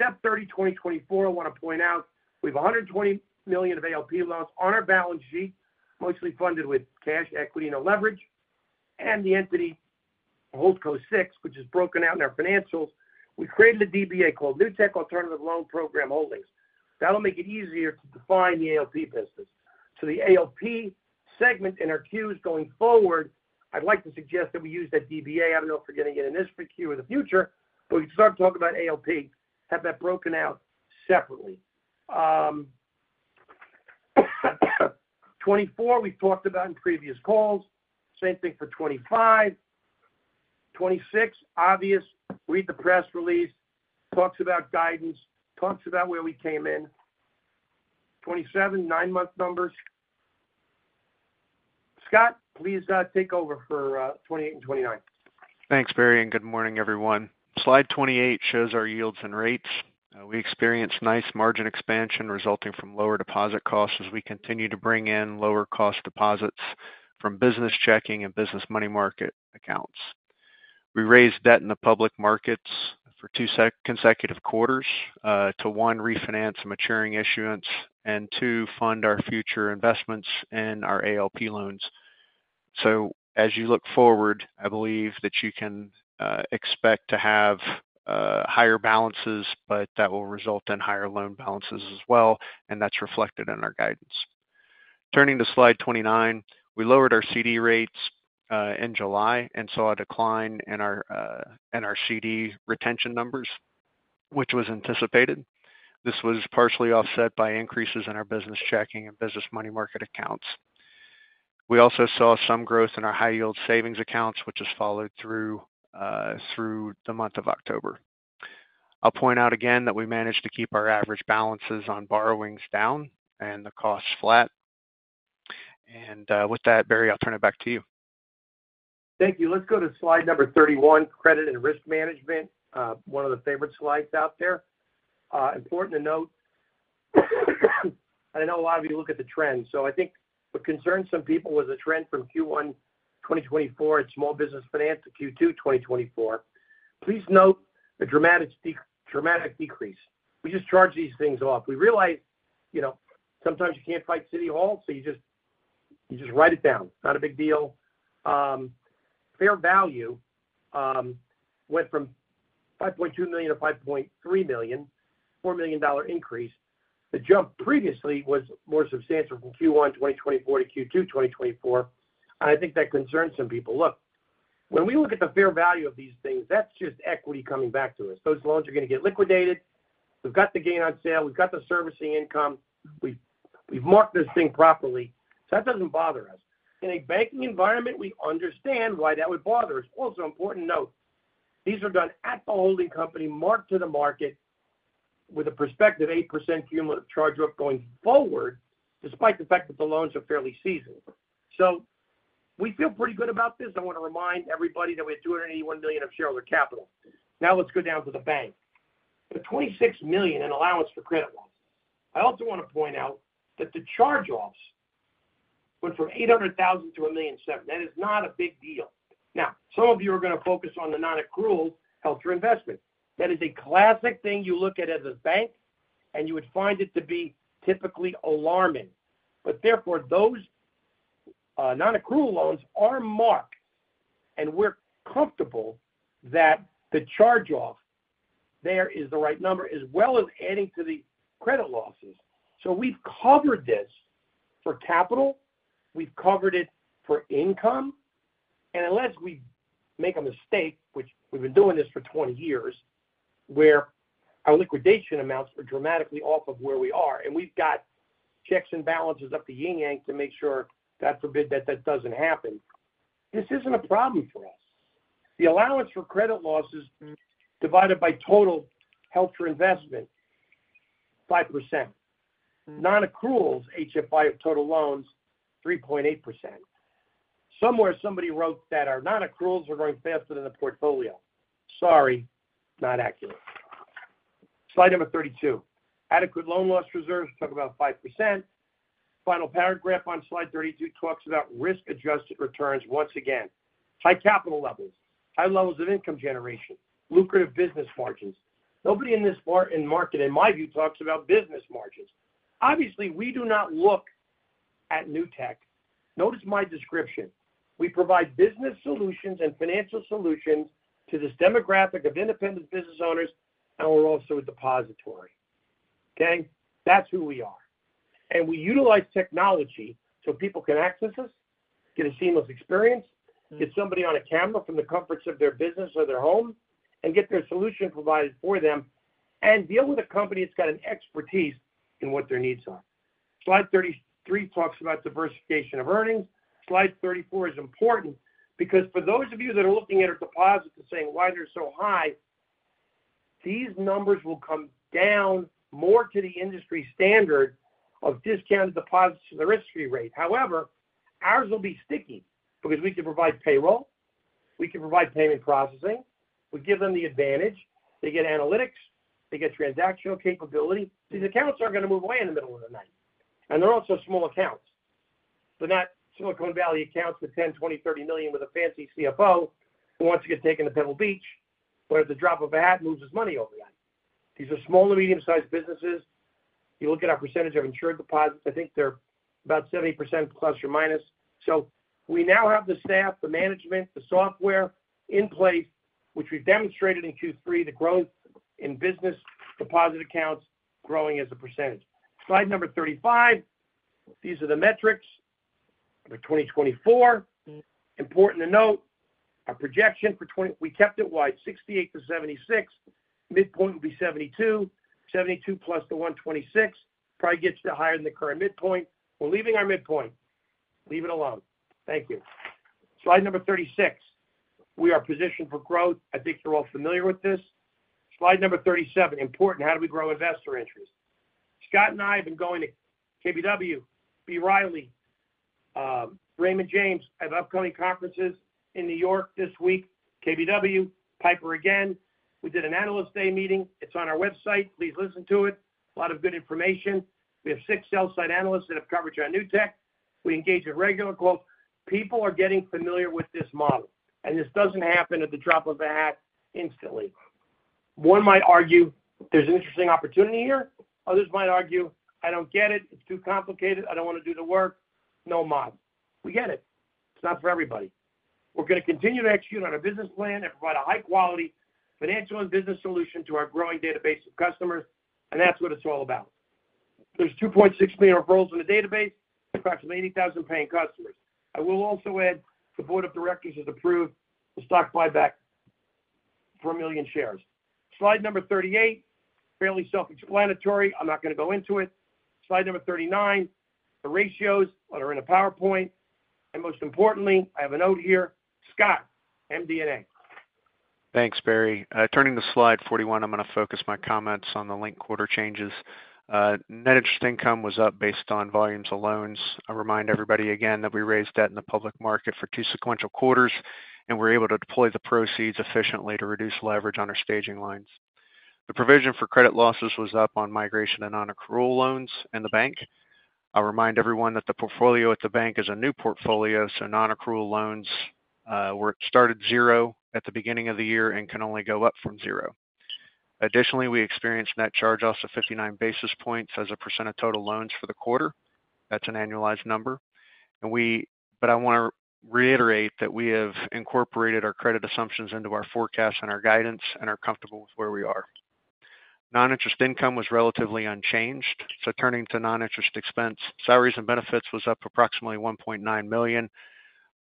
September 30, 2024, I want to point out we have $120 million of ALP loans on our balance sheet, mostly funded with cash, equity, and leverage. And the entity Holdco 6, which is broken out in our financials. We've created a DBA called Newtek Alternative Loan Program Holdings. That'll make it easier to define the ALP business. So the ALP segment in our Q's going forward, I'd like to suggest that we use that DBA. I don't know if we're going to get in this for the queue in the future, but we can start talking about ALP, have that broken out separately. 24, we've talked about in previous calls. Same thing for 25. 26, obvious. Read the press release. Talks about guidance. Talks about where we came in. 27, nine-month numbers. Scott, please take over for 28 and 29. Thanks, Barry. And good morning, everyone. Slide 28 shows our yields and rates. We experienced nice margin expansion resulting from lower deposit costs as we continue to bring in lower-cost deposits from business checking and business money market accounts. We raised debt in the public markets for two consecutive quarters to, one, refinance maturing issuance and, two, fund our future investments in our ALP loans. As you look forward, I believe that you can expect to have higher balances, but that will result in higher loan balances as well. That's reflected in our guidance. Turning to slide 29, we lowered our CD rates in July and saw a decline in our CD retention numbers, which was anticipated. This was partially offset by increases in our business checking and business money market accounts. We also saw some growth in our high-yield savings accounts, which has followed through the month of October. I'll point out again that we managed to keep our average balances on borrowings down and the costs flat. With that, Barry, I'll turn it back to you. Thank you. Let's go to slide number 31, credit and risk management. One of the favorite slides out there. Important to note, and I know a lot of you look at the trend. So I think what concerned some people was the trend from Q1 2024 at small business finance to Q2 2024. Please note the dramatic decrease. We just charged these things off. We realized sometimes you can't fight City Hall, so you just write it down. Not a big deal. Fair value went from $5.2 million to $5.3 million, $4 million increase. The jump previously was more substantial from Q1 2024 to Q2 2024. And I think that concerned some people. Look, when we look at the fair value of these things, that's just equity coming back to us. Those loans are going to get liquidated. We've got the gain on sale. We've got the servicing income. We've marked this thing properly. So that doesn't bother us. In a banking environment, we understand why that would bother us. Also, important note, these are done at the holding company marked to the market with a prospective 8% cumulative charge-off going forward, despite the fact that the loans are fairly seasoned. So we feel pretty good about this. I want to remind everybody that we have $281 million of shareholder capital. Now let's go down to the bank. The $26 million in allowance for credit loss. I also want to point out that the charge-offs went from $800,000 to $1.7 million. That is not a big deal. Now, some of you are going to focus on the non-accrual held for investment. That is a classic thing you look at as a bank, and you would find it to be typically alarming. But therefore, those non-accrual loans are marked, and we're comfortable that the charge-off there is the right number, as well as adding to the credit losses. So we've covered this for capital. We've covered it for income. And unless we make a mistake, which we've been doing this for 20 years, where our liquidation amounts are dramatically off of where we are, and we've got checks and balances up the yin-yang to make sure, God forbid, that that doesn't happen, this isn't a problem for us. The allowance for credit losses divided by total held for investment, 5%. Non-accruals, HFI of total loans, 3.8%. Somewhere, somebody wrote that our non-accruals are going faster than the portfolio. Sorry, not accurate. Slide number 32. Adequate loan loss reserves talk about 5%. Final paragraph on slide 32 talks about risk-adjusted returns once again. High capital levels. High levels of income generation. Lucrative business margins. Nobody in this market, in my view, talks about business margins. Obviously, we do not look at Newtek. Notice my description. We provide business solutions and financial solutions to this demographic of independent business owners, and we're also a depository. Okay? That's who we are. And we utilize technology so people can access us, get a seamless experience, get somebody on a camera from the comforts of their business or their home, and get their solution provided for them, and deal with a company that's got an expertise in what their needs are. Slide 33 talks about diversification of earnings. Slide 34 is important because for those of you that are looking at our deposits and saying, "Why they're so high?" These numbers will come down more to the industry standard of discounted deposits to the risk-free rate. However, ours will be sticky because we can provide payroll. We can provide payment processing. We give them the advantage. They get analytics. They get transactional capability. These accounts aren't going to move away in the middle of the night. And they're also small accounts. They're not Silicon Valley accounts with $10, $20, $30 million with a fancy CFO who wants to get taken to Pebble Beach where the drop of a hat moves his money overnight. These are small to medium-sized businesses. You look at our percentage of insured deposits. I think they're about 70%±. So we now have the staff, the management, the software in place, which we've demonstrated in Q3, the growth in business deposit accounts growing as a percentage. Slide number 35. These are the metrics for 2024. Important to note, our projection for 2024 we kept it wide. 68-76. Midpoint will be 72. 72 plus the 126 probably gets you higher than the current midpoint. We're leaving our midpoint. Leave it alone. Thank you. Slide number 36. We are positioned for growth. I think you're all familiar with this. Slide number 37. Important. How do we grow investor interest? Scott and I have been going to KBW, B. Riley, Raymond James at upcoming conferences in New York this week. KBW, Piper again. We did an analyst day meeting. It's on our website. Please listen to it. A lot of good information. We have six sell-side analysts that have coverage on Newtek. We engage in regular calls. People are getting familiar with this model. And this doesn't happen at the drop of a hat instantly. One might argue there's an interesting opportunity here. Others might argue, "I don't get it. It's too complicated. I don't want to do the work." No model. We get it. It's not for everybody. We're going to continue to execute on our business plan and provide a high-quality financial and business solution to our growing database of customers, and that's what it's all about. There's 2.6 million of roles in the database, approximately 80,000 paying customers. I will also add the board of directors has approved the stock buyback for 1 million shares. Slide number 38. Fairly self-explanatory. I'm not going to go into it. Slide number 39. The ratios are in a PowerPoint, and most importantly, I have a note here. Scott, MD&A. Thanks, Barry. Turning to slide 41, I'm going to focus my comments on the linked quarter changes. Net interest income was up based on volumes of loans. I remind everybody again that we raised debt in the public market for two sequential quarters, and we're able to deploy the proceeds efficiently to reduce leverage on our warehouse lines. The provision for credit losses was up on migration and non-accrual loans in the bank. I'll remind everyone that the portfolio at the bank is a new portfolio, so non-accrual loans were started zero at the beginning of the year and can only go up from zero. Additionally, we experienced net charge-offs of 59 basis points as a percent of total loans for the quarter. That's an annualized number. But I want to reiterate that we have incorporated our credit assumptions into our forecasts and our guidance and are comfortable with where we are. Non-interest income was relatively unchanged. So turning to non-interest expense, salaries and benefits was up approximately $1.9 million.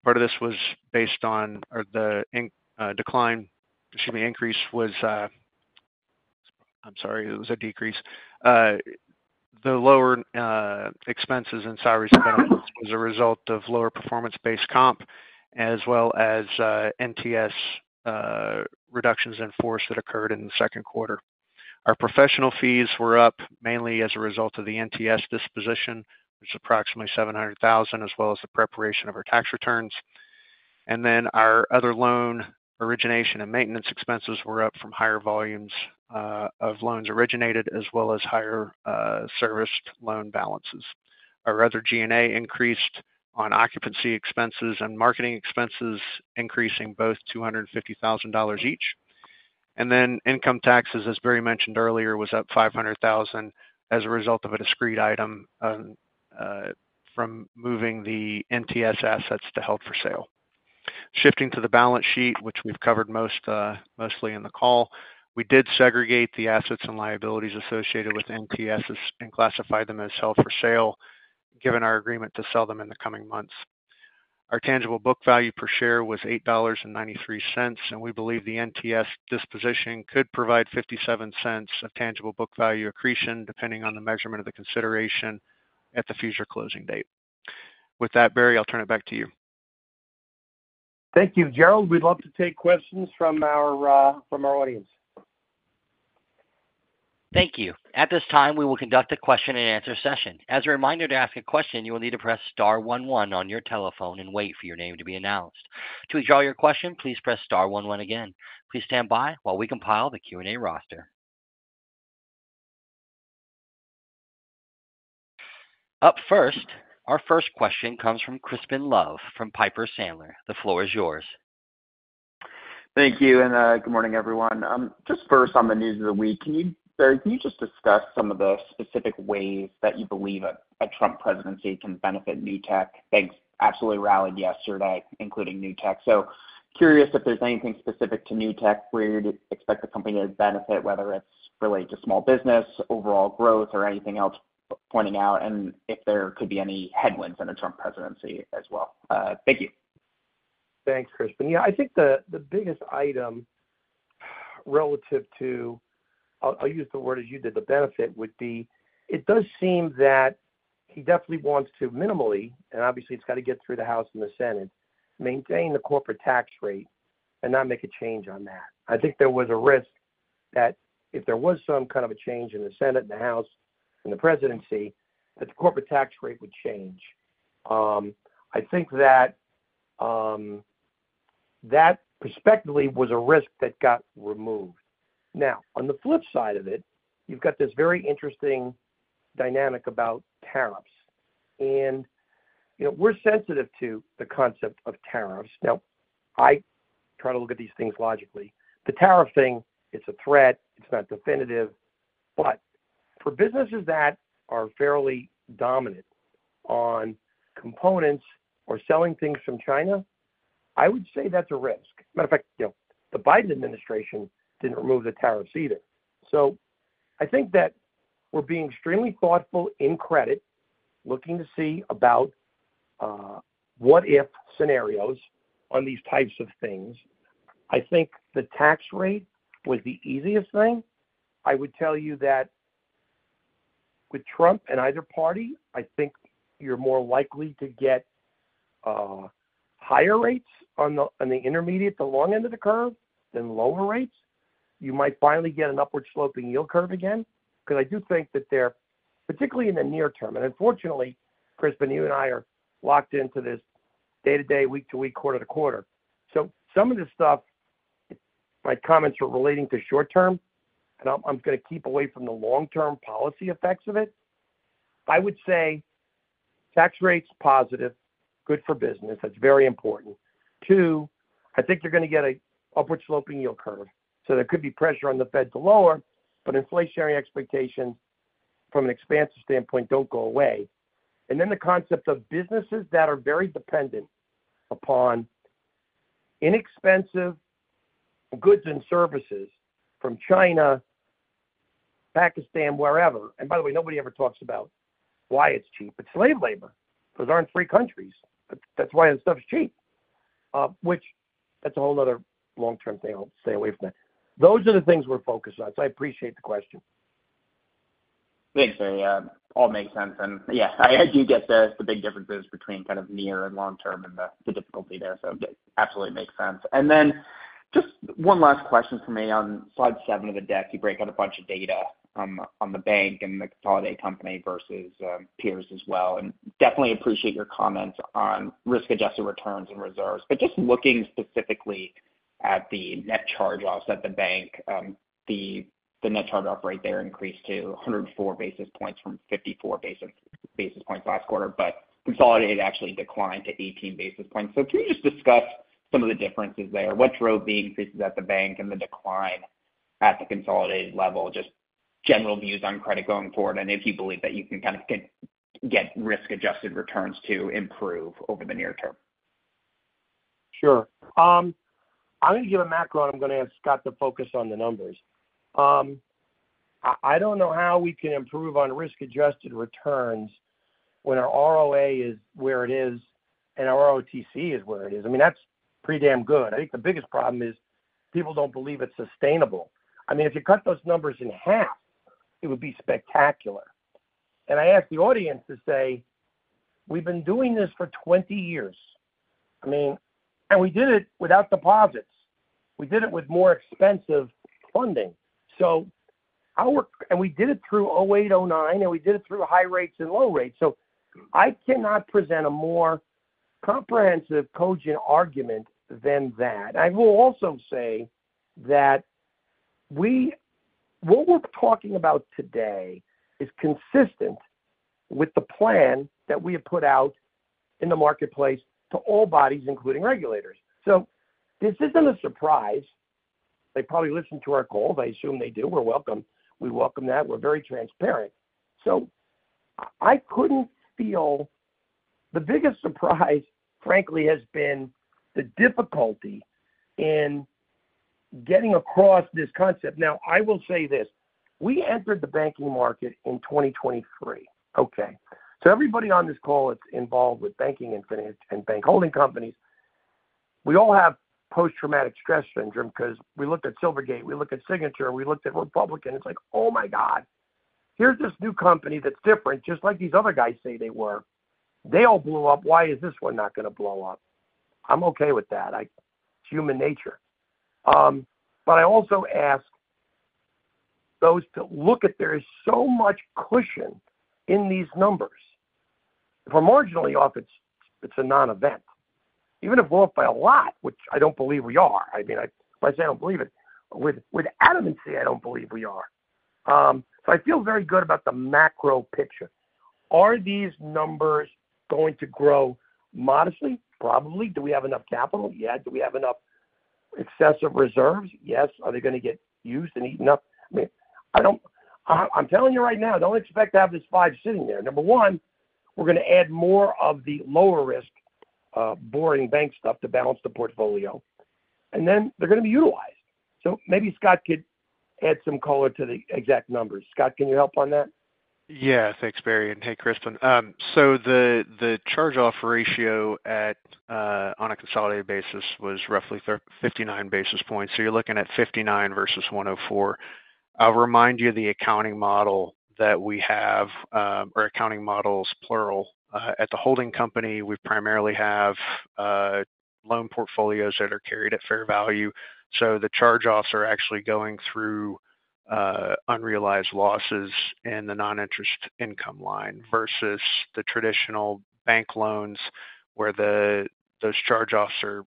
Part of this was based on the decline, excuse me, increase was, I'm sorry, it was a decrease. The lower expenses and salaries and benefits was a result of lower performance-based comp, as well as NTS reductions in force that occurred in the second quarter. Our professional fees were up mainly as a result of the NTS disposition, which is approximately $700,000, as well as the preparation of our tax returns. And then our other loan origination and maintenance expenses were up from higher volumes of loans originated, as well as higher serviced loan balances. Our other G&A increased on occupancy expenses and marketing expenses, increasing both $250,000 each. Then income taxes, as Barry mentioned earlier, was up $500,000 as a result of a discrete item from moving the NTS assets to held for sale. Shifting to the balance sheet, which we've covered mostly in the call, we did segregate the assets and liabilities associated with NTS and classify them as held for sale, given our agreement to sell them in the coming months. Our tangible book value per share was $8.93, and we believe the NTS disposition could provide $0.57 of tangible book value accretion, depending on the measurement of the consideration at the future closing date. With that, Barry, I'll turn it back to you. Thank you, Gerald. We'd love to take questions from our audience. Thank you. At this time, we will conduct a question-and-answer session. As a reminder to ask a question, you will need to press star one one on your telephone and wait for your name to be announced. To withdraw your question, please press star one one again. Please stand by while we compile the Q&A roster. Up first, our first question comes from Crispin Love from Piper Sandler. The floor is yours. Thank you, and good morning, everyone. Just first on the news of the week, Barry, can you just discuss some of the specific ways that you believe a Trump presidency can benefit Newtek? Banks absolutely rallied yesterday, including Newtek, so curious if there's anything specific to Newtek where you'd expect the company to benefit, whether it's related to small business, overall growth, or anything else, pointing out if there could be any headwinds in a Trump presidency as well. Thank you. Thanks, Crispin. Yeah, I think the biggest item relative to (I'll use the word as you did) the benefit would be it does seem that he definitely wants to minimally, and obviously it's got to get through the House and the Senate, maintain the corporate tax rate and not make a change on that. I think there was a risk that if there was some kind of a change in the Senate and the House and the presidency, that the corporate tax rate would change. I think that that, prospectively, was a risk that got removed. Now, on the flip side of it, you've got this very interesting dynamic about tariffs. And we're sensitive to the concept of tariffs. Now, I try to look at these things logically. The tariff thing, it's a threat. It's not definitive. But for businesses that are fairly dominant on components or selling things from China, I would say that's a risk. Matter of fact, the Biden administration didn't remove the tariffs either. So I think that we're being extremely thoughtful in credit, looking to see about what-if scenarios on these types of things. I think the tax rate was the easiest thing. I would tell you that with Trump and either party, I think you're more likely to get higher rates on the intermediate to long end of the curve than lower rates. You might finally get an upward-sloping yield curve again because I do think that they're particularly in the near term. And unfortunately, Crispin, you and I are locked into this day-to-day, week-to-week, quarter-to-quarter. So some of this stuff, my comments are relating to short term, and I'm going to keep away from the long-term policy effects of it. I would say tax rates positive, good for business. That's very important. Two, I think you're going to get an upward-sloping yield curve. So there could be pressure on the Fed to lower, but inflationary expectations from an expansive standpoint don't go away. And then the concept of businesses that are very dependent upon inexpensive goods and services from China, Pakistan, wherever. And by the way, nobody ever talks about why it's cheap. It's slave labor because they aren't free countries. That's why the stuff's cheap, which that's a whole nother long-term thing. I'll stay away from that. Those are the things we're focused on. So I appreciate the question. Thanks, Barry. All makes sense, and yeah, I do get the big differences between kind of near and long term and the difficulty there. So it absolutely makes sense, and then just one last question for me on slide seven of the deck. You break out a bunch of data on the bank and the consolidated company versus peers as well, and definitely appreciate your comments on risk-adjusted returns and reserves. But just looking specifically at the net charge-offs at the bank, the net charge-off rate there increased to 104 basis points from 54 basis points last quarter, but consolidated actually declined to 18 basis points. So can you just discuss some of the differences there? What drove the increases at the bank and the decline at the consolidated level? Just general views on credit going forward, and if you believe that you can kind of get risk-adjusted returns to improve over the near term? Sure. I'm going to give a macro, and I'm going to ask Scott to focus on the numbers. I don't know how we can improve on risk-adjusted returns when our ROA is where it is and our ROTCE is where it is. I mean, that's pretty damn good. I think the biggest problem is people don't believe it's sustainable. I mean, if you cut those numbers in half, it would be spectacular. And I ask the audience to say, "We've been doing this for 20 years." I mean, and we did it without deposits. We did it with more expensive funding. And we did it through 2008, 2009, and we did it through high rates and low rates. So I cannot present a more comprehensive cogent argument than that. And I will also say that what we're talking about today is consistent with the plan that we have put out in the marketplace to all bodies, including regulators. So this isn't a surprise. They probably listen to our goals. I assume they do. We welcome that. We're very transparent. So I couldn't feel the biggest surprise, frankly, has been the difficulty in getting across this concept. Now, I will say this. We entered the banking market in 2023. Okay. So everybody on this call that's involved with banking and bank holding companies, we all have post-traumatic stress syndrome because we looked at Silvergate, we looked at Signature, we looked at First Republic. It's like, "Oh my God, here's this new company that's different, just like these other guys say they were. They all blew up. Why is this one not going to blow up?" I'm okay with that. It's human nature. But I also ask those to look at, there is so much cushion in these numbers. If we're marginally off, it's a non-event. Even if we're off by a lot, which I don't believe we are. I mean, if I say I don't believe it, with adamancy, I don't believe we are. So I feel very good about the macro picture. Are these numbers going to grow modestly? Probably. Do we have enough capital? Yeah. Do we have enough excessive reserves? Yes. Are they going to get used and eaten up? I mean, I'm telling you right now, don't expect to have this five sitting there. Number one, we're going to add more of the lower-risk boring bank stuff to balance the portfolio. And then they're going to be utilized. So maybe Scott could add some color to the exact numbers. Scott, can you help on that? Yes. Thanks, Barry. And hey, Crispin. So the charge-off ratio on a consolidated basis was roughly 59 basis points. So you're looking at 59 versus 104. I'll remind you of the accounting model that we have or accounting models, plural. At the holding company, we primarily have loan portfolios that are carried at fair value. So the charge-offs are actually going through unrealized losses in the non-interest income line versus the traditional bank loans where those charge-offs are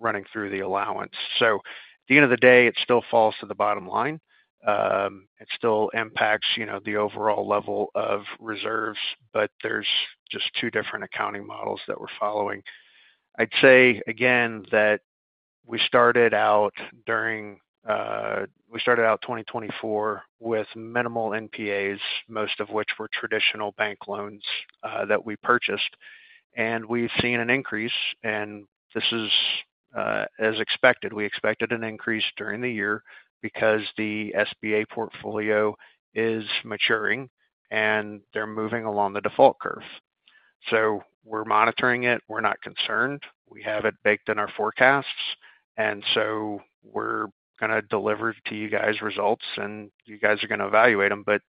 running through the allowance. So at the end of the day, it still falls to the bottom line. It still impacts the overall level of reserves, but there's just two different accounting models that we're following. I'd say, again, that we started out 2024 with minimal NPAs, most of which were traditional bank loans that we purchased. And we've seen an increase, and this is as expected. We expected an increase during the year because the SBA portfolio is maturing, and they're moving along the default curve. So we're monitoring it. We're not concerned. We have it baked in our forecasts. And so we're going to deliver to you guys results, and you guys are going to evaluate them. But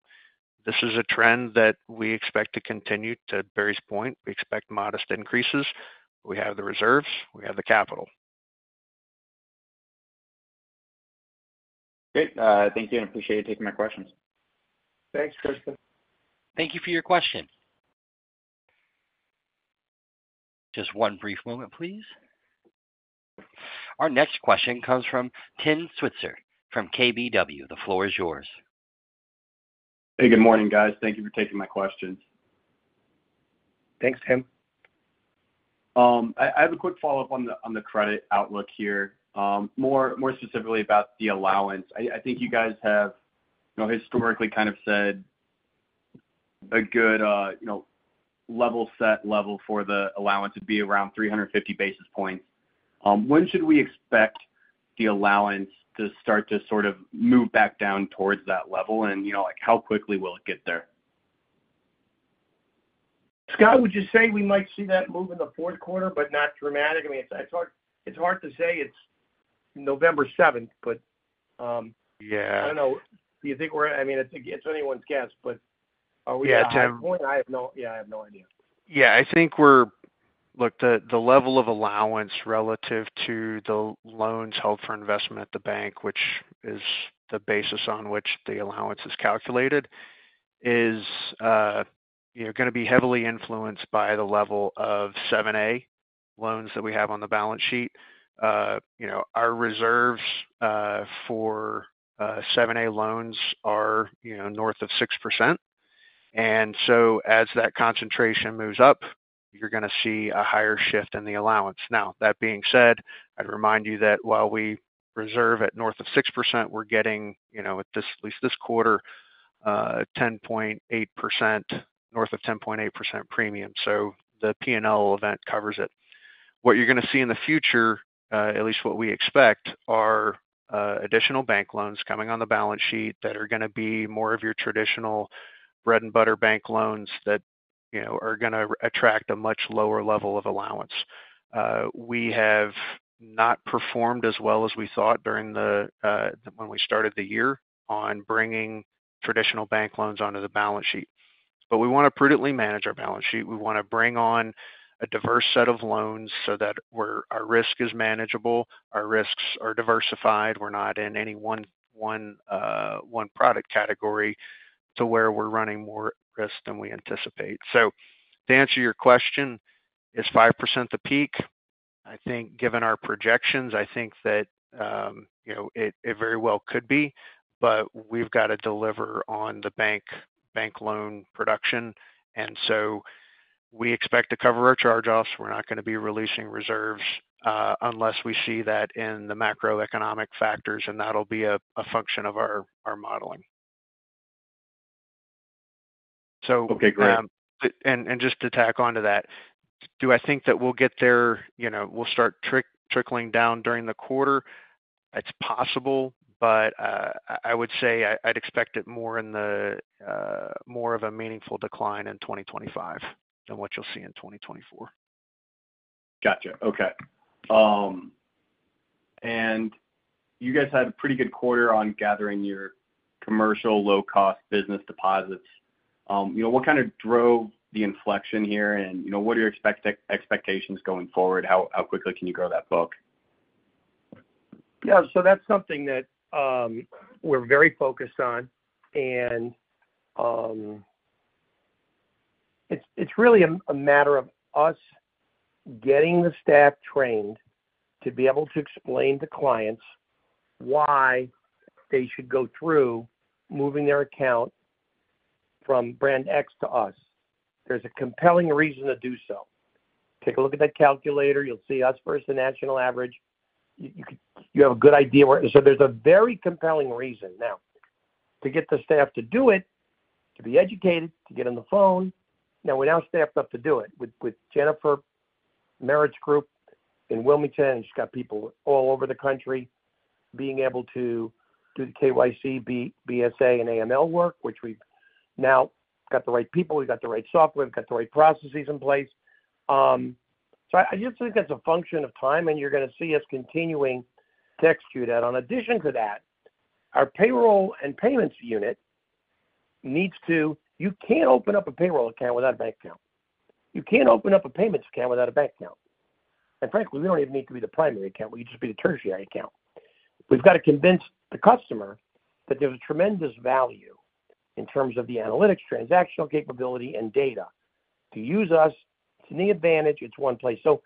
this is a trend that we expect to continue to Barry's point. We expect modest increases. We have the reserves. We have the capital. Great. Thank you, and appreciate you taking my questions. Thanks, Crispin. Thank you for your question. Just one brief moment, please. Our next question comes from Tim Switzer from KBW. The floor is yours. Hey, good morning, guys. Thank you for taking my questions. Thanks, Tim. I have a quick follow-up on the credit outlook here, more specifically about the allowance. I think you guys have historically kind of said a good level set level for the allowance to be around 350 basis points. When should we expect the allowance to start to sort of move back down towards that level, and how quickly will it get there? Scott, would you say we might see that move in the fourth quarter, but not dramatic? I mean, it's hard to say. It's November 7th, but I don't know. Do you think we're, I mean, it's anyone's guess, but are we at that point? I have no idea. Yeah. I think we're, look, the level of allowance relative to the loans held for investment at the bank, which is the basis on which the allowance is calculated, is going to be heavily influenced by the level of 7(a) loans that we have on the balance sheet. Our reserves for 7(a) loans are north of 6%. And so as that concentration moves up, you're going to see a higher shift in the allowance. Now, that being said, I'd remind you that while we reserve at north of 6%, we're getting, at least this quarter, 10.8%, north of 10.8% premium. So the P&L event covers it. What you're going to see in the future, at least what we expect, are additional bank loans coming on the balance sheet that are going to be more of your traditional bread-and-butter bank loans that are going to attract a much lower level of allowance. We have not performed as well as we thought when we started the year on bringing traditional bank loans onto the balance sheet. But we want to prudently manage our balance sheet. We want to bring on a diverse set of loans so that our risk is manageable. Our risks are diversified. We're not in any one product category to where we're running more risk than we anticipate. So to answer your question, is 5% the peak? I think, given our projections, I think that it very well could be, but we've got to deliver on the bank loan production. And so we expect to cover our charge-offs. We're not going to be releasing reserves unless we see that in the macroeconomic factors, and that'll be a function of our modeling. So. Okay. Great. And just to tack on to that, do I think that we'll get there? We'll start trickling down during the quarter. It's possible, but I would say I'd expect it more of a meaningful decline in 2025 than what you'll see in 2024. Gotcha. Okay, and you guys had a pretty good quarter on gathering your commercial low-cost business deposits. What kind of drove the inflection here, and what are your expectations going forward? How quickly can you grow that book? Yeah. So that's something that we're very focused on and it's really a matter of us getting the staff trained to be able to explain to clients why they should go through moving their account from brand X to us. There's a compelling reason to do so. Take a look at that calculator. You'll see us versus the national average. You have a good idea where—so there's a very compelling reason. Now, to get the staff to do it, to be educated, to get on the phone. Now, we're staffed up to do it with Jennifer Merritt's group in Wilmington. She's got people all over the country being able to do the KYC, BSA, and AML work, which we've now got the right people. We've got the right software. We've got the right processes in place. So I just think that's a function of time, and you're going to see us continuing to execute that. In addition to that, our payroll and payments unit needs to—you can't open up a payroll account without a bank account. You can't open up a payments account without a bank account. And frankly, we don't even need to be the primary account. We can just be the tertiary account. We've got to convince the customer that there's a tremendous value in terms of the analytics, transactional capability, and data. To use us, it's an advantage. It's one place. So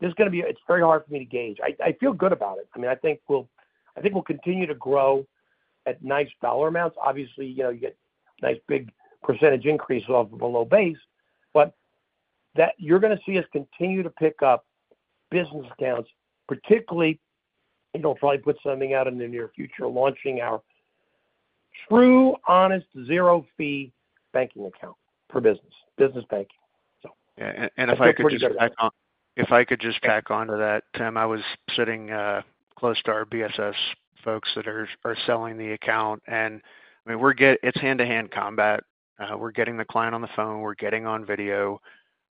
there's going to be. It's very hard for me to gauge. I feel good about it. I mean, I think we'll continue to grow at nice dollar amounts. Obviously, you get nice big percentage increase off of a low base, but you're going to see us continue to pick up business accounts, particularly probably put something out in the near future, launching our true, zero-fee banking account for business, business banking. Yeah, and if I could just tack on to that, Tim, I was sitting close to our BSS folks that are selling the account. And I mean, it's hand-to-hand combat. We're getting the client on the phone. We're getting on video.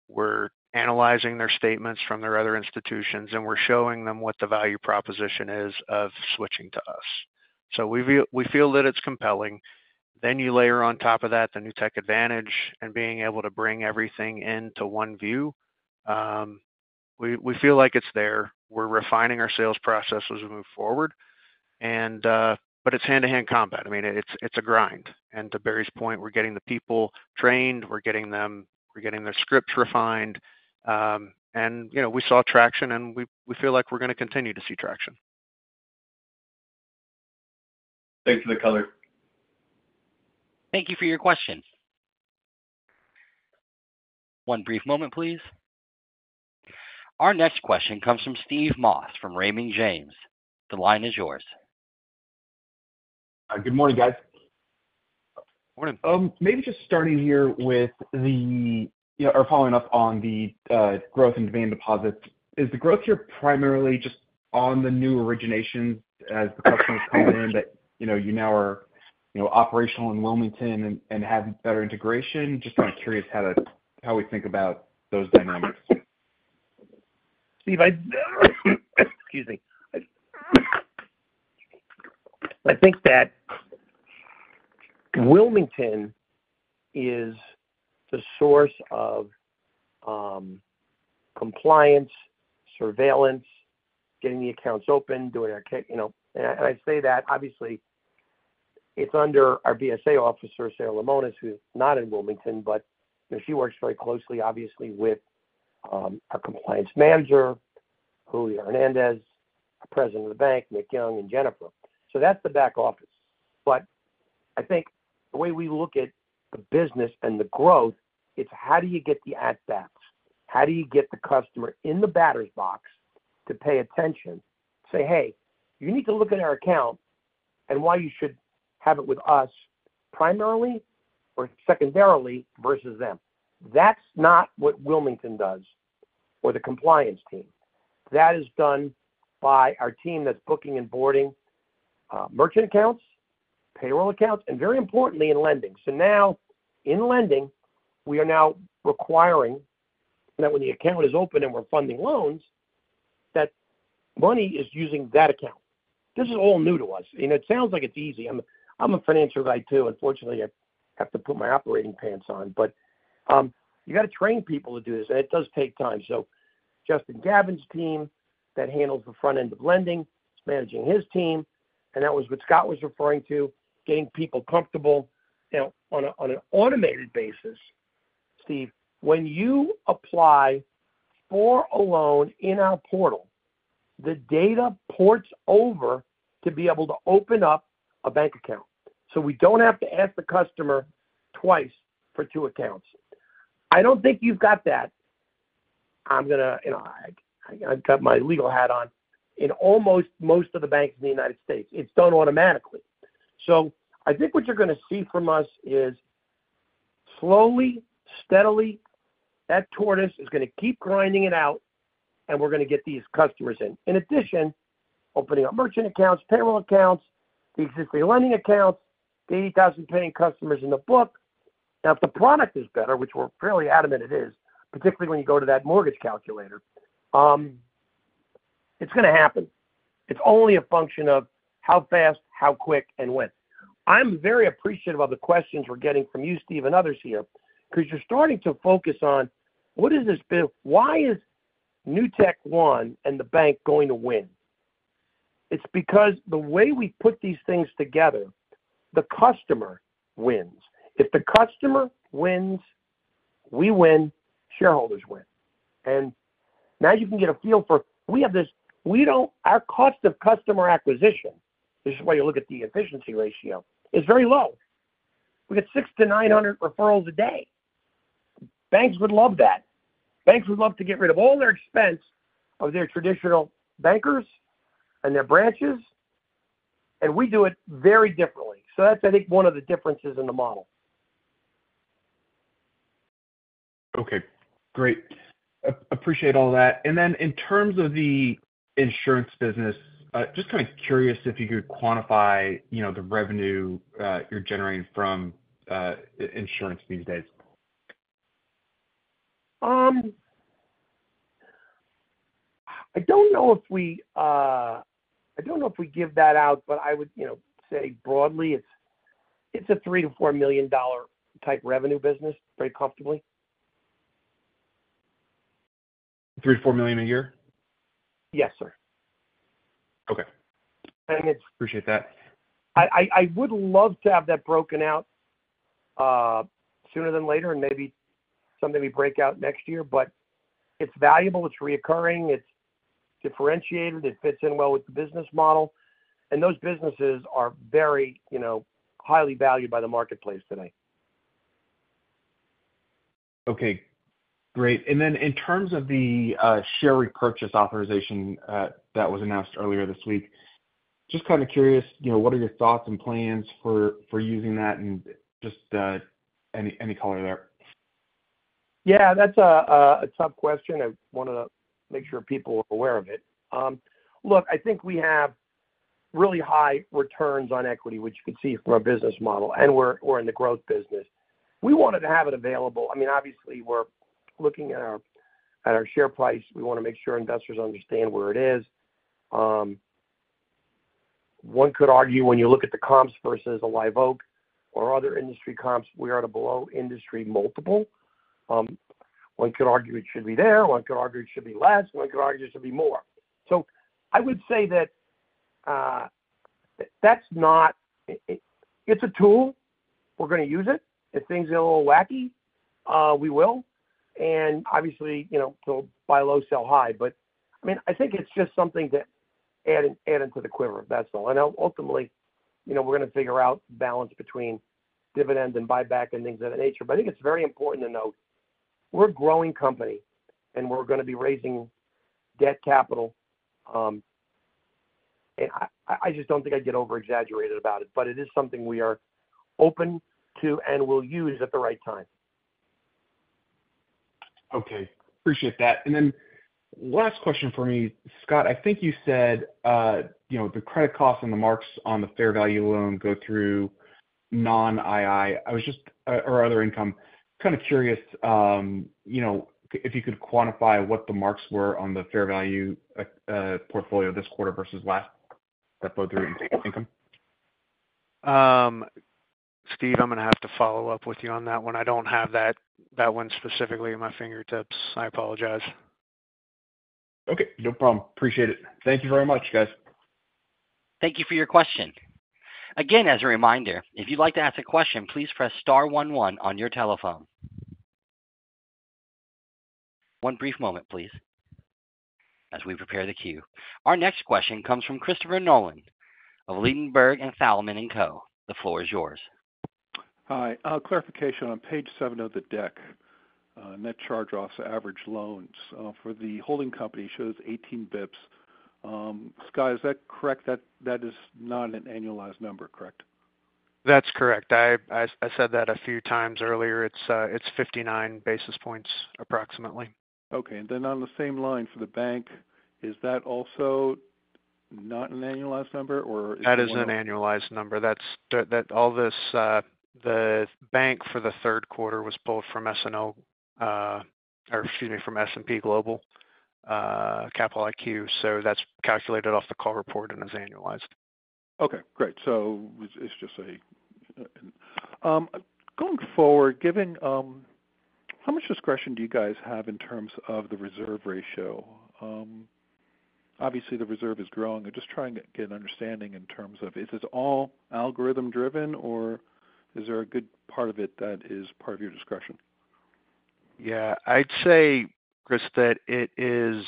We're analyzing their statements from their other institutions, and we're showing them what the value proposition is of switching to us. So we feel that it's compelling. Then you layer on top of that the Newtek Advantage and being able to bring everything into one view. We feel like it's there. We're refining our sales process as we move forward. But it's hand-to-hand combat. I mean, it's a grind. And to Barry's point, we're getting the people trained. We're getting their scripts refined. And we saw traction, and we feel like we're going to continue to see traction. Thanks for the color. Thank you for your questions. One brief moment, please. Our next question comes from Steve Moss from Raymond James. The line is yours. Good morning, guys. Morning. Maybe just starting here with the, or following up on the growth and demand deposits. Is the growth here primarily just on the new originations as the customers come in, but you now are operational in Wilmington and have better integration? Just kind of curious how we think about those dynamics. Steve, I, excuse me. I think that Wilmington is the source of compliance, surveillance, getting the accounts open, doing our, and I say that, obviously, it's under our BSA officer, Sarah Limones, who's not in Wilmington, but she works very closely, obviously, with our compliance manager, Julio Hernandez, the president of the bank, Nick Young, and Jennifer. So that's the back office. But I think the way we look at the business and the growth, it's how do you get the add-backs? How do you get the customer in the batter's box to pay attention? Say, "Hey, you need to look at our account and why you should have it with us primarily or secondarily versus them." That's not what Wilmington does or the compliance team. That is done by our team that's booking and boarding merchant accounts, payroll accounts, and very importantly, in lending. So now, in lending, we are now requiring that when the account is open and we're funding loans, that money is using that account. This is all new to us. And it sounds like it's easy. I'm a financial guy too. Unfortunately, I have to put my operating pants on. But you got to train people to do this, and it does take time. So Justin Gavin's team that handles the front end of lending, it's managing his team. And that was what Scott was referring to, getting people comfortable on an automated basis. Steve, when you apply for a loan in our portal, the data ports over to be able to open up a bank account. So we don't have to ask the customer twice for two accounts. I don't think you've got that. I'm going to. I've got my legal hat on. In almost most of the banks in the United States, it's done automatically. So I think what you're going to see from us is slowly, steadily, that tortoise is going to keep grinding it out, and we're going to get these customers in. In addition, opening up merchant accounts, payroll accounts, the existing lending accounts, the 80,000 paying customers in the book. Now, if the product is better, which we're fairly adamant it is, particularly when you go to that mortgage calculator, it's going to happen. It's only a function of how fast, how quick, and when. I'm very appreciative of the questions we're getting from you, Steve, and others here because you're starting to focus on what is this, why is NewtekOne and the bank going to win? It's because the way we put these things together, the customer wins. If the customer wins, we win, shareholders win. Now you can get a feel for our cost of customer acquisition, this is why you look at the efficiency ratio, is very low. We get 600-900 referrals a day. Banks would love that. Banks would love to get rid of all their expense of their traditional bankers and their branches. We do it very differently. That's, I think, one of the differences in the model. Okay. Great. Appreciate all that. And then in terms of the insurance business, just kind of curious if you could quantify the revenue you're generating from insurance these days? I don't know if we give that out, but I would say broadly, it's a $3 million-$4 million type revenue business, very comfortably. $3 million-$4 million a year? Yes, sir. Okay. Appreciate that. I would love to have that broken out sooner than later and maybe something we break out next year, but it's valuable. It's recurring. It's differentiated. It fits in well with the business model. And those businesses are very highly valued by the marketplace today. Okay. Great. And then in terms of the share repurchase authorization that was announced earlier this week, just kind of curious, what are your thoughts and plans for using that and just any color there? Yeah. That's a tough question. I want to make sure people are aware of it. Look, I think we have really high returns on equity, which you can see from our business model, and we're in the growth business. We wanted to have it available. I mean, obviously, we're looking at our share price. We want to make sure investors understand where it is. One could argue when you look at the comps versus a Live Oak or other industry comps, we are at a below industry multiple. One could argue it should be there. One could argue it should be less. One could argue it should be more. So I would say that that's not. It's a tool. We're going to use it. If things get a little wacky, we will, and obviously, so buy low, sell high. But I mean, I think it's just something to add into the quiver of that stuff. And ultimately, we're going to figure out the balance between dividends and buyback and things of that nature. But I think it's very important to note we're a growing company, and we're going to be raising debt capital. And I just don't think I'd get overexaggerated about it, but it is something we are open to and will use at the right time. Okay. Appreciate that. And then last question for me, Scott, I think you said the credit costs and the marks on the fair value loan go through non-II or other income. Kind of curious if you could quantify what the marks were on the fair value portfolio this quarter versus last that flowed through income? Steve, I'm going to have to follow up with you on that one. I don't have that one specifically at my fingertips. I apologize. Okay. No problem. Appreciate it. Thank you very much, guys. Thank you for your question. Again, as a reminder, if you'd like to ask a question, please press star one one on your telephone. One brief moment, please, as we prepare the queue. Our next question comes from Christopher Nolan of Ladenburg Thalmann & Co. The floor is yours. Hi. Clarification on page seven of the deck, net charge-off average loans. For the holding company, it shows 18 basis points. Scott, is that correct? That is not an annualized number, correct? That's correct. I said that a few times earlier. It's 59 basis points approximately. Okay. And then on the same line for the bank, is that also not an annualized number, or is it? That is an annualized number. All this, the bank for the third quarter, was pulled from S&P or, excuse me, from S&P Global Capital IQ. So that's calculated off the call report and is annualized. Okay. Great. So it's just going forward, given how much discretion do you guys have in terms of the reserve ratio? Obviously, the reserve is growing. I'm just trying to get an understanding in terms of, is this all algorithm-driven, or is there a good part of it that is part of your discretion? Yeah. I'd say, Chris, that it's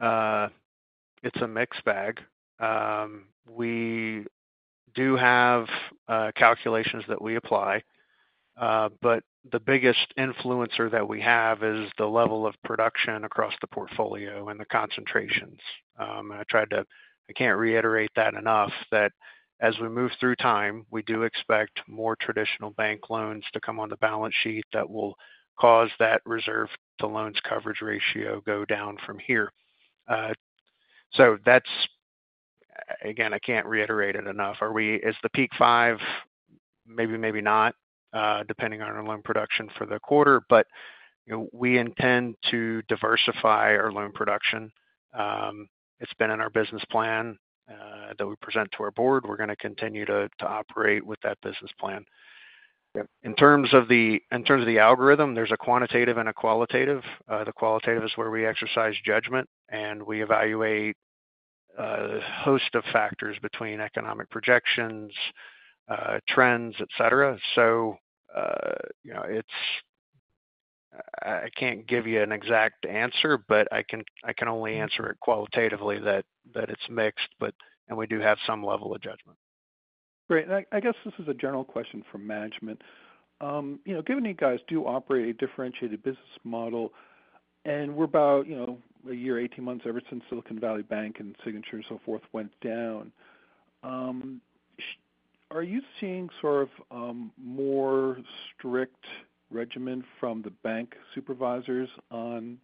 a mixed bag. We do have calculations that we apply, but the biggest influencer that we have is the level of production across the portfolio and the concentrations. I can't reiterate that enough that as we move through time, we do expect more traditional bank loans to come on the balance sheet that will cause that reserve-to-loans coverage ratio to go down from here. So that's, again, I can't reiterate it enough. Is the peak five? Maybe, maybe not, depending on our loan production for the quarter. But we intend to diversify our loan production. It's been in our business plan that we present to our board. We're going to continue to operate with that business plan. In terms of the algorithm, there's a quantitative and a qualitative. The qualitative is where we exercise judgment, and we evaluate a host of factors between economic projections, trends, etc. So I can't give you an exact answer, but I can only answer it qualitatively that it's mixed, and we do have some level of judgment. Great. And I guess this is a general question for management. Given you guys do operate a differentiated business model, and we're about a year, 18 months ever since Silicon Valley Bank and Signature and so forth went down, are you seeing sort of more strict regime from the bank supervisors on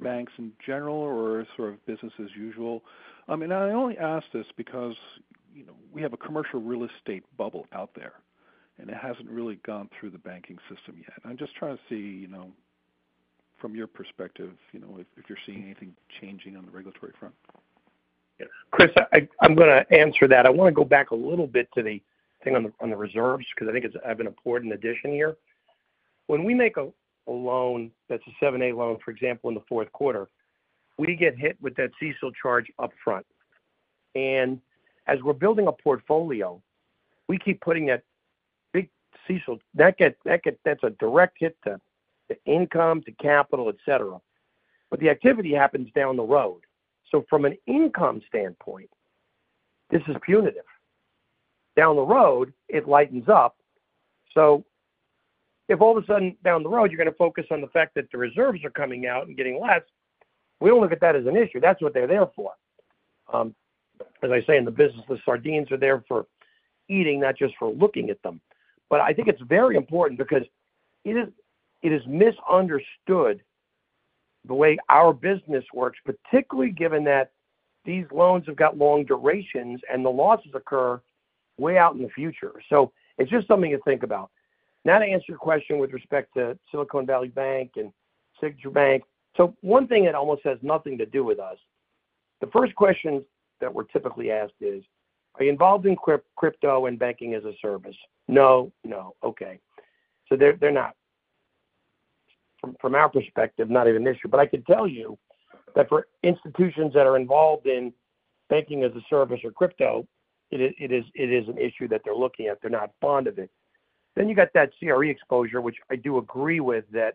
banks in general or sort of business as usual? And I only ask this because we have a commercial real estate bubble out there, and it hasn't really gone through the banking system yet. I'm just trying to see from your perspective if you're seeing anything changing on the regulatory front. Chris, I'm going to answer that. I want to go back a little bit to the thing on the reserves because I think it's an important addition here. When we make a loan that's a 7(a) loan, for example, in the fourth quarter, we get hit with that CECL charge upfront. And as we're building a portfolio, we keep putting that big CECL, that's a direct hit to income, to capital, etc. But the activity happens down the road. So from an income standpoint, this is punitive. Down the road, it lightens up. So if all of a sudden, down the road, you're going to focus on the fact that the reserves are coming out and getting less, we don't look at that as an issue. That's what they're there for. As I say in the business, the sardines are there for eating, not just for looking at them. But I think it's very important because it is misunderstood the way our business works, particularly given that these loans have got long durations and the losses occur way out in the future. So it's just something to think about. Now to answer your question with respect to Silicon Valley Bank and Signature Bank. So one thing that almost has nothing to do with us. The first questions that we're typically asked is, "Are you involved in crypto and banking as a service?" "No." "No." "Okay." So they're not, from our perspective, not even an issue. But I can tell you that for institutions that are involved in banking as a service or crypto, it is an issue that they're looking at. They're not fond of it. Then you got that CRE exposure, which I do agree with that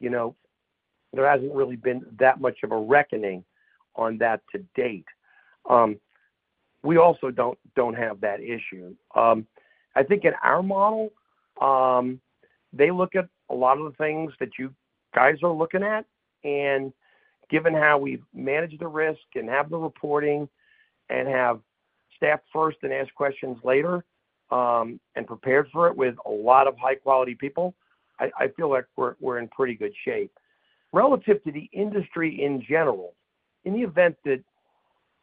there hasn't really been that much of a reckoning on that to date. We also don't have that issue. I think in our model, they look at a lot of the things that you guys are looking at. And given how we've managed the risk and have the reporting and have staff first and ask questions later and prepared for it with a lot of high-quality people, I feel like we're in pretty good shape. Relative to the industry in general, in the event that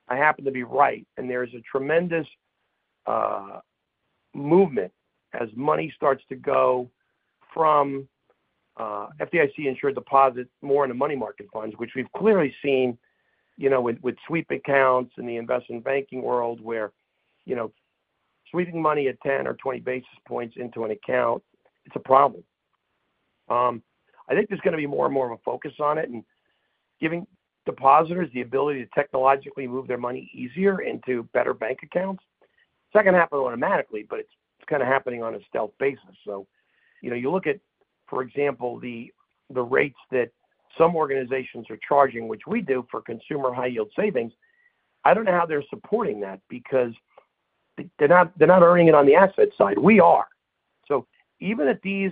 I happen to be right and there is a tremendous movement as money starts to go from FDIC insured deposits more into money market funds, which we've clearly seen with sweep accounts in the investment banking world where sweeping money at 10 or 20 basis points into an account, it's a problem. I think there's going to be more and more of a focus on it and giving depositors the ability to technologically move their money easier into better bank accounts. It's not going to happen automatically, but it's kind of happening on a stealth basis. So you look at, for example, the rates that some organizations are charging, which we do for consumer high-yield savings. I don't know how they're supporting that because they're not earning it on the asset side. We are. So even at these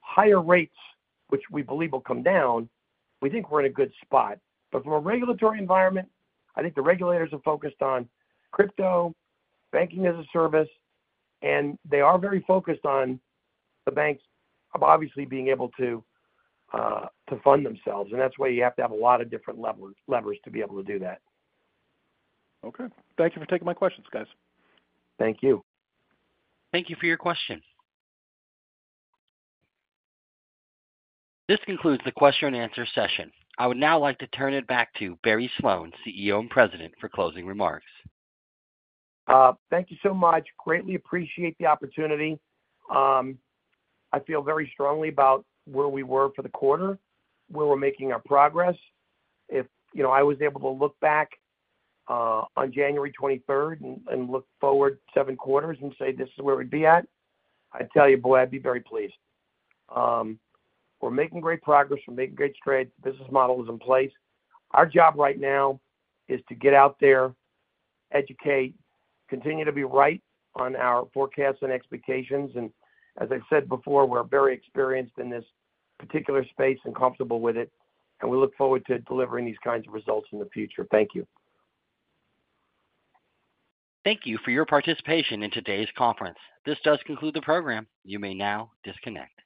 higher rates, which we believe will come down, we think we're in a good spot. But from a regulatory environment, I think the regulators are focused on crypto, banking as a service, and they are very focused on the banks obviously being able to fund themselves. And that's why you have to have a lot of different levers to be able to do that. Okay. Thank you for taking my questions, guys. Thank you. Thank you for your question. This concludes the question and answer session. I would now like to turn it back to Barry Sloane, CEO and President, for closing remarks. Thank you so much. Greatly appreciate the opportunity. I feel very strongly about where we were for the quarter, where we're making our progress. If I was able to look back on January 23rd and look forward seven quarters and say, "This is where we'd be at," I'd tell you, boy, I'd be very pleased. We're making great progress. We're making great trades. The business model is in place. Our job right now is to get out there, educate, continue to be right on our forecasts and expectations. And as I said before, we're very experienced in this particular space and comfortable with it. And we look forward to delivering these kinds of results in the future. Thank you. Thank you for your participation in today's conference. This does conclude the program. You may now disconnect.